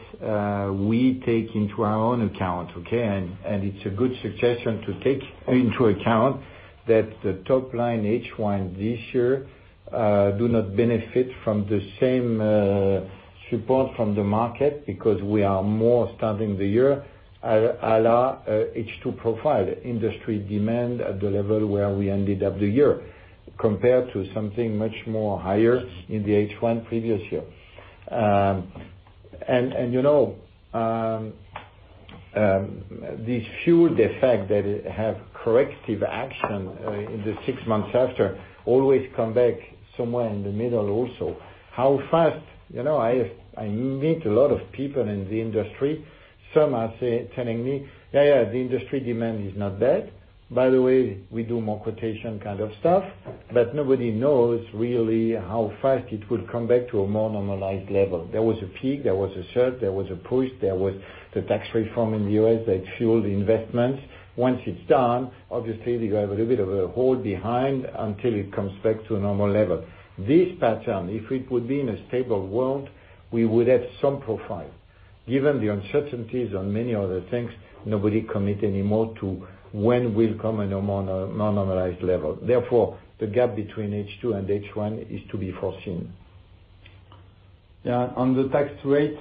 we take into our own account, okay? It's a good suggestion to take into account that the top line H1 this year do not benefit from the same support from the market, because we are more starting the year a la H2 profile, industry demand at the level where we ended up the year, compared to something much more higher in the H1 previous year. This fueled the fact that it have corrective action in the six months after, always come back somewhere in the middle also. I meet a lot of people in the industry. Some are telling me, "Yeah, the industry demand is not bad. By the way, we do more quotation kind of stuff." Nobody knows really how fast it would come back to a more normalized level. There was a peak, there was a surge, there was a push, there was the tax reform in the U.S. that fueled the investments. Once it's done, obviously, you have a little bit of a hold behind until it comes back to a normal level. This pattern, if it would be in a stable world, we would have some profile. Given the uncertainties on many other things, nobody commit anymore to when will come a more normalized level. The gap between H2 and H1 is to be foreseen. On the tax rate,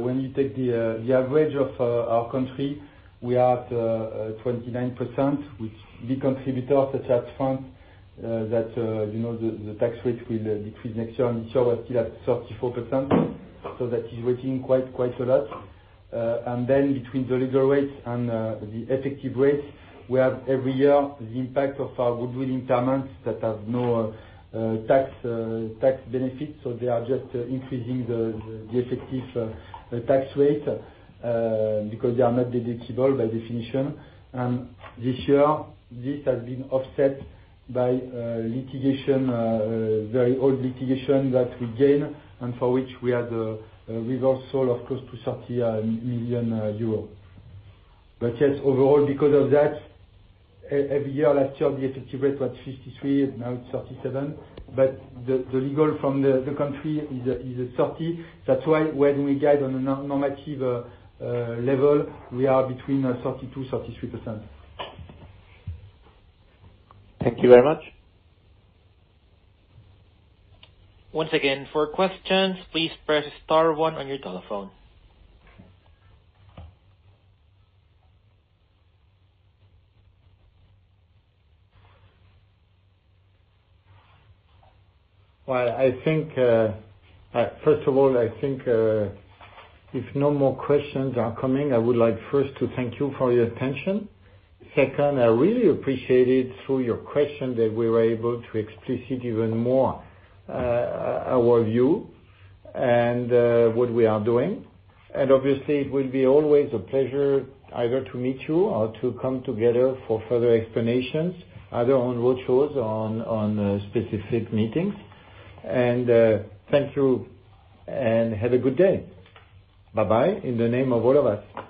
when you take the average of our country, we are at 29%, with big contributors such as France, that the tax rate will decrease next year. We're still at 34%. That is weighting quite a lot. Between the legal rates and the effective rates, we have every year the impact of our goodwill impairments that have no tax benefits. They are just increasing the effective tax rate, because they are not deductible by definition. This year, this has been offset by litigation, very old litigation that we gain and for which we had a reversal of close to 30 million euros. Yes, overall, because of that, every year, last year the effective rate was 53%, now it's 37%. The legal from the country is at 30%. That's why when we guide on a normative level, we are between 32%-33%. Thank you very much. Once again, for questions, please press star one on your telephone. Well, first of all, I think if no more questions are coming, I would like first to thank you for your attention. Second, I really appreciate it through your question that we were able to explicit even more our view and what we are doing. Obviously, it will be always a pleasure either to meet you or to come together for further explanations, either on roadshows or on specific meetings. Thank you, and have a good day. Bye-bye. In the name of all of us.